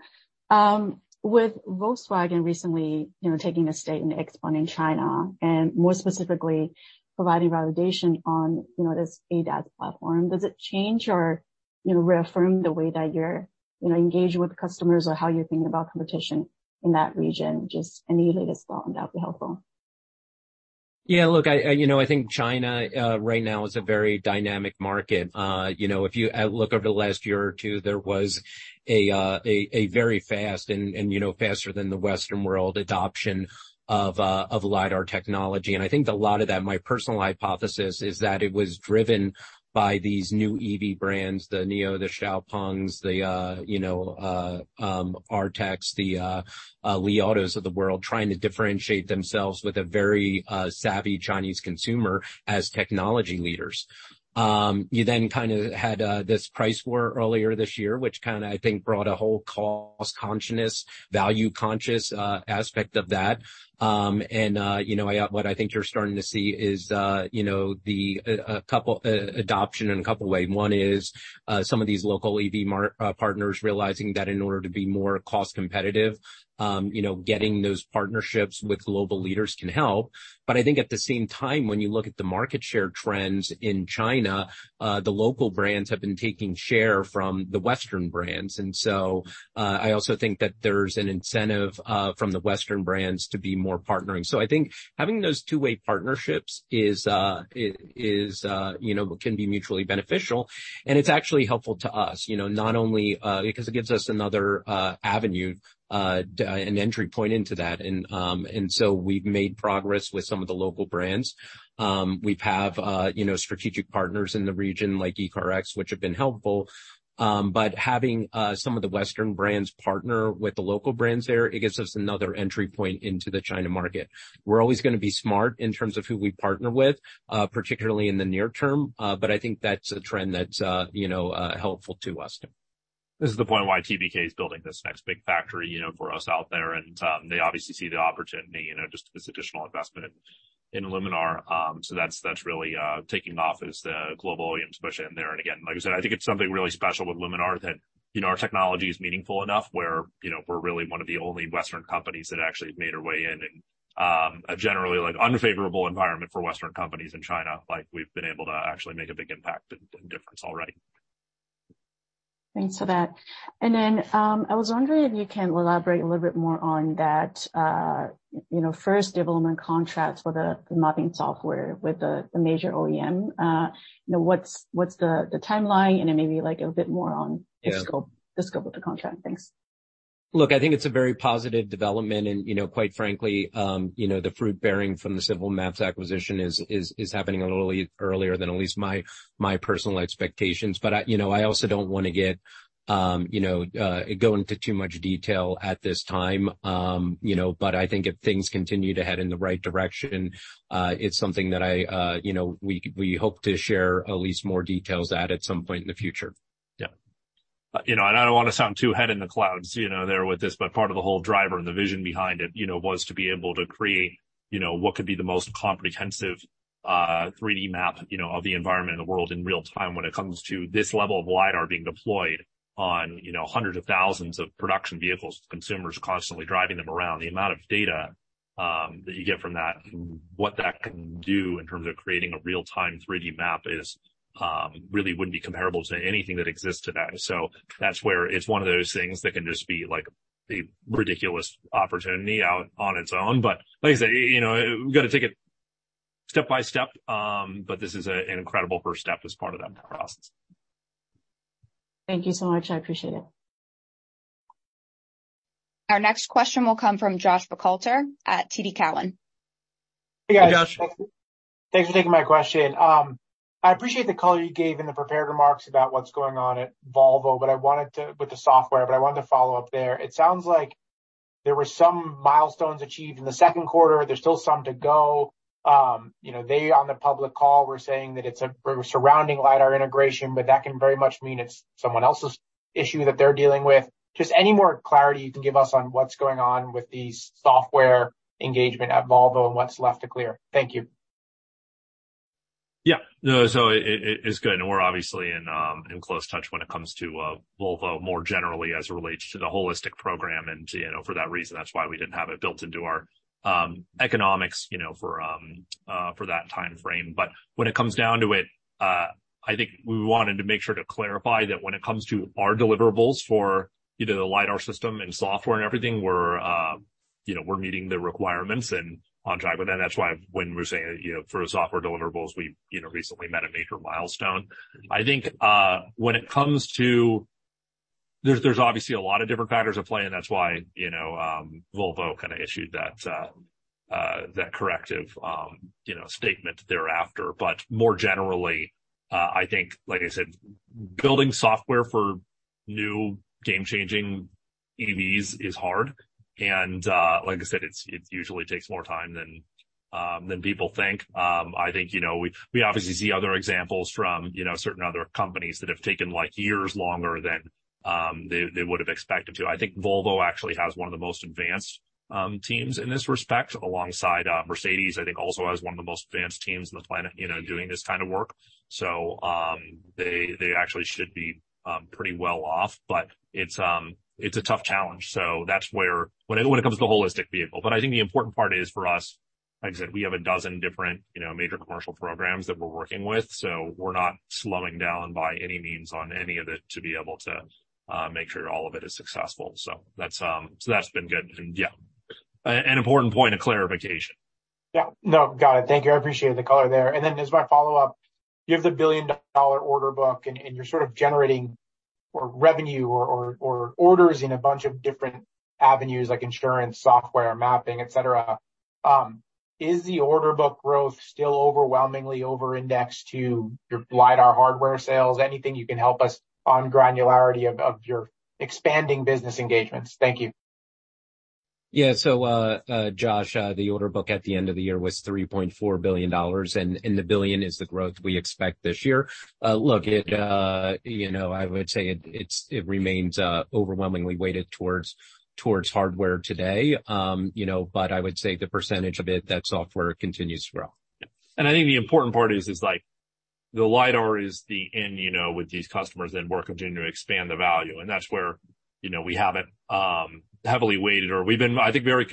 With Volkswagen recently, you know, taking a stake in XPeng in China, and more specifically, providing validation on, you know, this ADAS platform, does it change or, you know, reaffirm the way that you're, you know, engaging with customers or how you're thinking about competition in that region? Just any latest thought on that would be helpful. Yeah, look, I, I... You know, I think China right now is a very dynamic market. You know, if you look over the last year or two, there was a very fast and, and, you know, faster than the Western world adoption of LiDAR technology. I think a lot of that, my personal hypothesis, is that it was driven by these new EV brands, the NIO, the XPeng, the, you know, RTX, the Li Autos of the world, trying to differentiate themselves with a very savvy Chinese consumer as technology leaders. You then kind of had this price war earlier this year, which kind of, I think, brought a whole cost-consciousness, value-conscious aspect of that. You know, what I think you're starting to see is, you know, the, a couple, adoption in a couple of ways. One is, some of these local EV mar- partners realizing that in order to be more cost competitive, you know, getting those partnerships with global leaders can help. I think at the same time, when you look at the market share trends in China, the local brands have been taking share from the Western brands. I also think that there's an incentive from the Western brands to be more partnering. I think having those two-way partnerships is, is, you know, can be mutually beneficial, and it's actually helpful to us, you know, not only, because it gives us another avenue, an entry point into that. We've made progress with some of the local brands. We've have, you know, strategic partners in the region like ECARX, which have been helpful. Having some of the Western brands partner with the local brands there, it gives us another entry point into the China market. We're always gonna be smart in terms of who we partner with, particularly in the near term, but I think that's a trend that's, you know, helpful to us. This is the point why TPK is building this next big factory, you know, for us out there, and they obviously see the opportunity, you know, just this additional investment in Luminar. So that's, that's really taking off as the global OEMs push in there. Again, like I said, I think it's something really special with Luminar that, you know, our technology is meaningful enough where, you know, we're really one of the only Western companies that actually have made our way in, and a generally, like, unfavorable environment for Western companies in China, like, we've been able to actually make a big impact and, and difference already. Thanks for that. Then I was wondering if you can elaborate a little bit more on that, you know, first development contract for the mapping software with the major OEM. You know, what's the timeline? Then maybe, like, a bit more on- Yeah. the scope, the scope of the contract. Thanks. Look, I think it's a very positive development and, you know, quite frankly, you know, the fruit bearing from the Civil Maps acquisition is, is, is happening a little earlier than at least my, my personal expectations. I, you know, I also don't want to get, you know, go into too much detail at this time. You know, but I think if things continue to head in the right direction, it's something that I, you know, we, we hope to share at least more details at, at some point in the future. Yeah.... You know, I don't want to sound too head in the clouds, you know, there with this, but part of the whole driver and the vision behind it, you know, was to be able to create, you know, what could be the most comprehensive 3D map, you know, of the environment in the world in real time. When it comes to this level of LiDAR being deployed on, you know, hundreds of thousands of production vehicles, consumers constantly driving them around, the amount of data that you get from that, what that can do in terms of creating a real-time 3D map is really wouldn't be comparable to anything that exists today. That's where it's one of those things that can just be like a ridiculous opportunity out on its own. Like I said, you know, we've got to take it step by step, but this is an incredible first step as part of that process. Thank you so much. I appreciate it. Our next question will come from Josh Buchalter at TD Cowen. Hey, guys. Hey, Josh. Thanks for taking my question. I appreciate the color you gave in the prepared remarks about what's going on at Volvo, with the software, but I wanted to follow up there. It sounds like there were some milestones achieved in the second quarter. There's still some to go. you know, they, on the public call, were saying that it's a surrounding LiDAR integration, but that can very much mean it's someone else's issue that they're dealing with. Just any more clarity you can give us on what's going on with the software engagement at Volvo and what's left to clear? Thank you. Yeah. No, so it, it, it's good, and we're obviously in close touch when it comes to Volvo, more generally as it relates to the holistic program. You know, for that reason, that's why we didn't have it built into our economics, you know, for that time frame. When it comes down to it, I think we wanted to make sure to clarify that when it comes to our deliverables for either the LiDAR system and software and everything, we're, you know, we're meeting the requirements and on track with that. That's why when we're saying, you know, for software deliverables, we, you know, recently met a major milestone. I think when it comes to... There's obviously a lot of different factors at play, and that's why, you know, Volvo kind of issued that corrective, you know, statement thereafter. More generally, I think, like I said, building software for new game-changing EVs is hard, and, like I said, it usually takes more time than people think. I think, you know, we obviously see other examples from, you know, certain other companies that have taken, like, years longer than they would have expected to. I think Volvo actually has one of the most advanced teams in this respect, alongside Mercedes, I think, also has one of the most advanced teams on the planet, you know, doing this kind of work. They actually should be pretty well off, but it's a tough challenge. That's where, when it comes to holistic vehicle. I think the important part is for us, like I said, we have a dozen different, you know, major commercial programs that we're working with, so we're not slowing down by any means on any of it to be able to make sure all of it is successful. That's, so that's been good. Yeah, an important point of clarification. Yeah. No, got it. Thank you. I appreciate the color there. As my follow-up, you have the billion-dollar order book, and, and you're sort of generating or revenue or, or, or orders in a bunch of different avenues like insurance, software, mapping, et cetera. Is the order book growth still overwhelmingly over-indexed to your LiDAR hardware sales? Anything you can help us on granularity of, of your expanding business engagements? Thank you. Yeah. Josh Buchalter, the order book at the end of the year was $3.4 billion, and, and $1 billion is the growth we expect this year. Look, it, you know, I would say it, it's, it remains overwhelmingly weighted towards, towards hardware today. You know, I would say the percentage of it, that software continues to grow. I think the important part is, is like, the LiDAR is, you know, with these customers, and we're continuing to expand the value. That's where, you know, we have it heavily weighted, or we've been, I think, very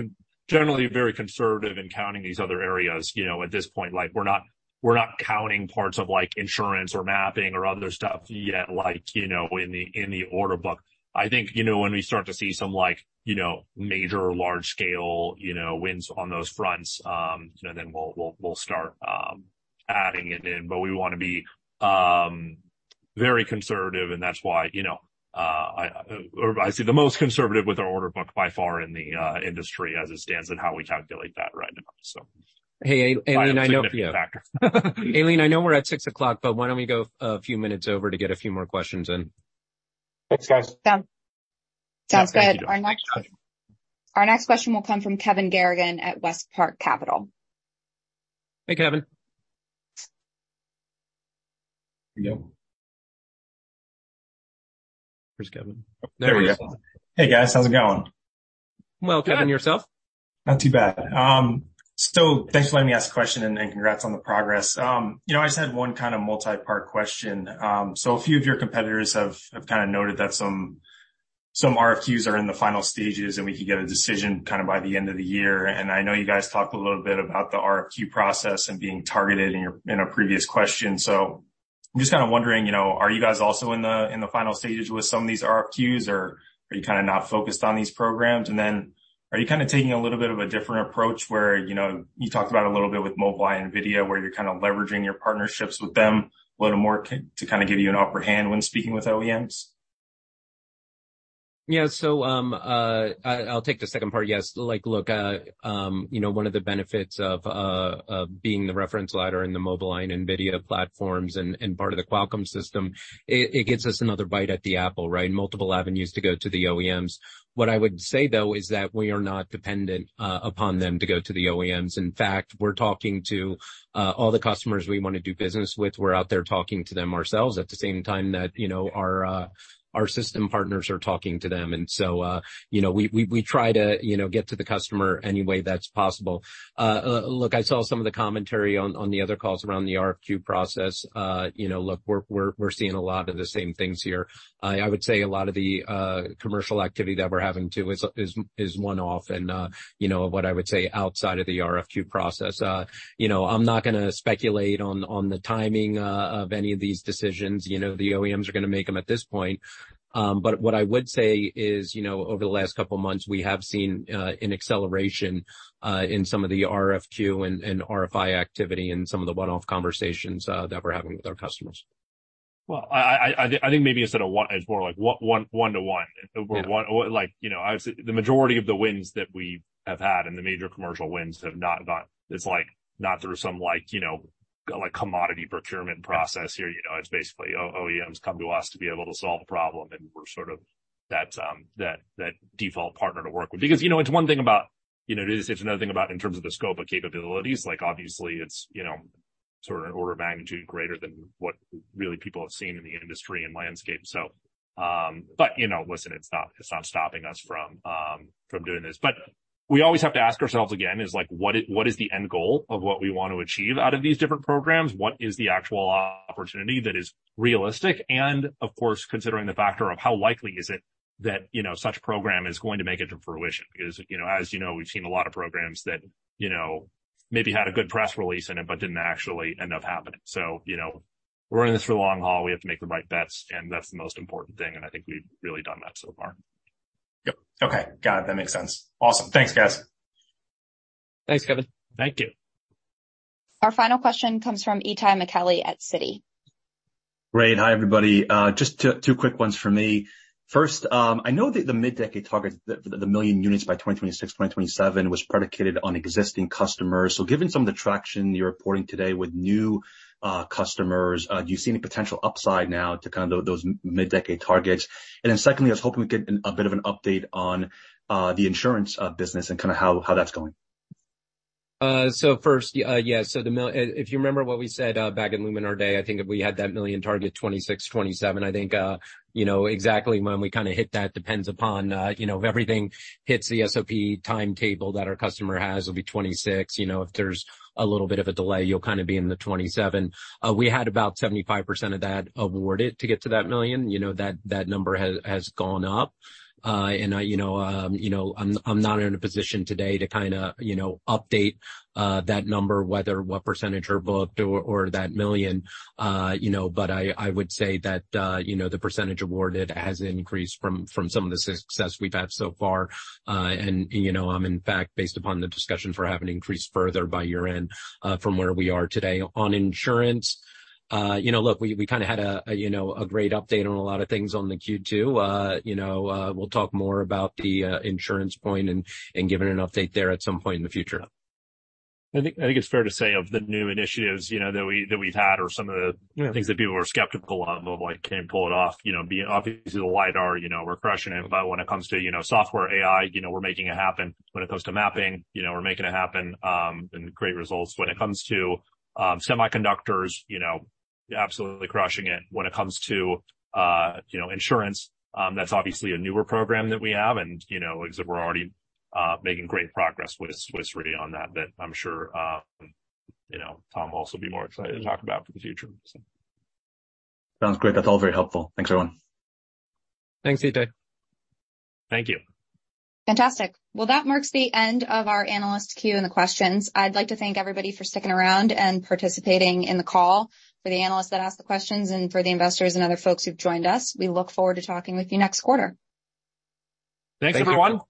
generally very conservative in counting these other areas. You know, at this point, like, we're not, we're not counting parts of, like, insurance or mapping or other stuff yet, like, you know, in the, in the order book. I think, you know, when we start to see some like, you know, major large-scale, you know, wins on those fronts, and then we'll, we'll, we'll start adding it in. We want to be, very conservative, and that's why, you know, or I say, the most conservative with our order book by far in the industry as it stands and how we calculate that right now. Hey, Aileen, I know we're at 6:00, why don't we go a few minutes over to get a few more questions in? Thanks, guys. Sound, sounds good. Our next question will come from Kevin Garrigan at WestPark Capital. Hey, Kevin. Yep. Where's Kevin? There we go. Hey, guys. How's it going? Well, Kevin, yourself? Not too bad. Thanks for letting me ask a question, congrats on the progress. You know, I just had one kind of multi-part question. A few of your competitors have, have kind of noted that some, some RFQs are in the final stages, and we could get a decision kind of by the end of the year. I know you guys talked a little bit about the RFQ process and being targeted in your, in a previous question. I'm just kind of wondering, you know, are you guys also in the, in the final stages with some of these RFQs, or are you kind of not focused on these programs? Then, are you kind of taking a little bit of a different approach where, you know, you talked about a little bit with Mobileye and NVIDIA, where you're kind of leveraging your partnerships with them a little more to, to kind of give you an upper hand when speaking with OEMs? Yeah, so, I, I'll take the second part. Yes, like, look, you know, one of the benefits of being the reference ladder in the Mobileye, NVIDIA platforms and part of the Qualcomm system, it gives us another bite at the apple, right? Multiple avenues to go to the OEMs. What I would say, though, is that we are not dependent upon them to go to the OEMs. In fact, we're talking to all the customers we wanna do business with. We're out there talking to them ourselves at the same time that, you know, our system partners are talking to them. So, you know, we try to, you know, get to the customer any way that's possible. look, I saw some of the commentary on, on the other calls around the RFQ process. you know, look, we're, we're, we're seeing a lot of the same things here. I, I would say a lot of the commercial activity that we're having, too, is, is, is one-off and, you know, what I would say, outside of the RFQ process. you know, I'm not gonna speculate on, on the timing of any of these decisions. You know, the OEMs are gonna make them at this point. What I would say is, you know, over the last couple of months, we have seen an acceleration in some of the RFQ and, and RFI activity and some of the one-off conversations that we're having with our customers. Well, I, I, I, I think maybe instead of one, it's more like one, one to one. Yeah. Like, you know, obviously, the majority of the wins that we have had, and the major commercial wins have not got. It's, like, not through some, like, you know, like, commodity procurement process here. Yeah. You know, it's basically, OEMs come to us to be able to solve a problem, and we're sort of that, that default partner to work with. You know, it's one thing about, you know, it is, it's another thing about in terms of the scope of capabilities. Like, obviously, it's, you know, sort of an order of magnitude greater than what really people have seen in the industry and landscape. You know, listen, it's not, it's not stopping us from doing this. We always have to ask ourselves again, is like, what is, what is the end goal of what we want to achieve out of these different programs? What is the actual opportunity that is realistic? Of course, considering the factor of how likely is it that, you know, such program is going to make it to fruition? Because, you know, as you know, we've seen a lot of programs that, you know, maybe had a good press release in it, but didn't actually end up happening. You know, we're in this for the long haul. We have to make the right bets, and that's the most important thing, and I think we've really done that so far. Yep. Okay, got it. That makes sense. Awesome. Thanks, guys. Thanks, Kevin. Thank you. Our final question comes from Itay Michaeli at Citi. Great. Hi, everybody. Just two, two quick ones for me. First, I know that the mid-decade target, the, the million units by 2026, 2027, was predicated on existing customers. Given some of the traction you're reporting today with new customers, do you see any potential upside now to kind of those mid-decade targets? Then secondly, I was hoping to get an a bit of an update on the insurance business and kinda how, how that's going. First, yes, so If you remember what we said, back in Luminar Day, I think we had that $1 million target, 2026, 2027. I think, you know, exactly when we kind of hit that depends upon, you know, if everything hits the SOP timetable that our customer has, it'll be 2026. You know, if there's a little bit of a delay, you'll kind of be in the 2027. We had about 75% of that awarded to get to that $1 million. You know, that, that number has, has gone up. You know, I'm, I'm not in a position today to kind of, you know, update that number, whether what % are booked or, or that $1 million. I, I would say that, you know, the percentage awarded has increased from, from some of the success we've had so far. You know, in fact, based upon the discussion we're having increased further by year-end, from where we are today. On insurance, you know, look, we, we kinda had a, a, you know, a great update on a lot of things on the Q2. You know, we'll talk more about the, insurance point and, and giving an update there at some point in the future. I think, I think it's fair to say, of the new initiatives, you know, that we, that we've had or some of the. Yeah... things that people were skeptical of, of, like, can't pull it off, you know, be obviously the LiDAR, you know, we're crushing it. When it comes to, you know, software, AI, you know, we're making it happen. When it comes to mapping, you know, we're making it happen, and great results. When it comes to semiconductors, you know, absolutely crushing it. When it comes to, you know, insurance, that's obviously a newer program that we have, and, you know, we're already making great progress with, with RTX on that, that I'm sure, you know, Tom will also be more excited to talk about for the future. Sounds great. That's all very helpful. Thanks, everyone. Thanks, Itay. Thank you. Fantastic. Well, that marks the end of our analyst queue and the questions. I'd like to thank everybody for sticking around and participating in the call. For the analysts that asked the questions and for the investors and other folks who've joined us, we look forward to talking with you next quarter. Thanks, everyone. Thank you.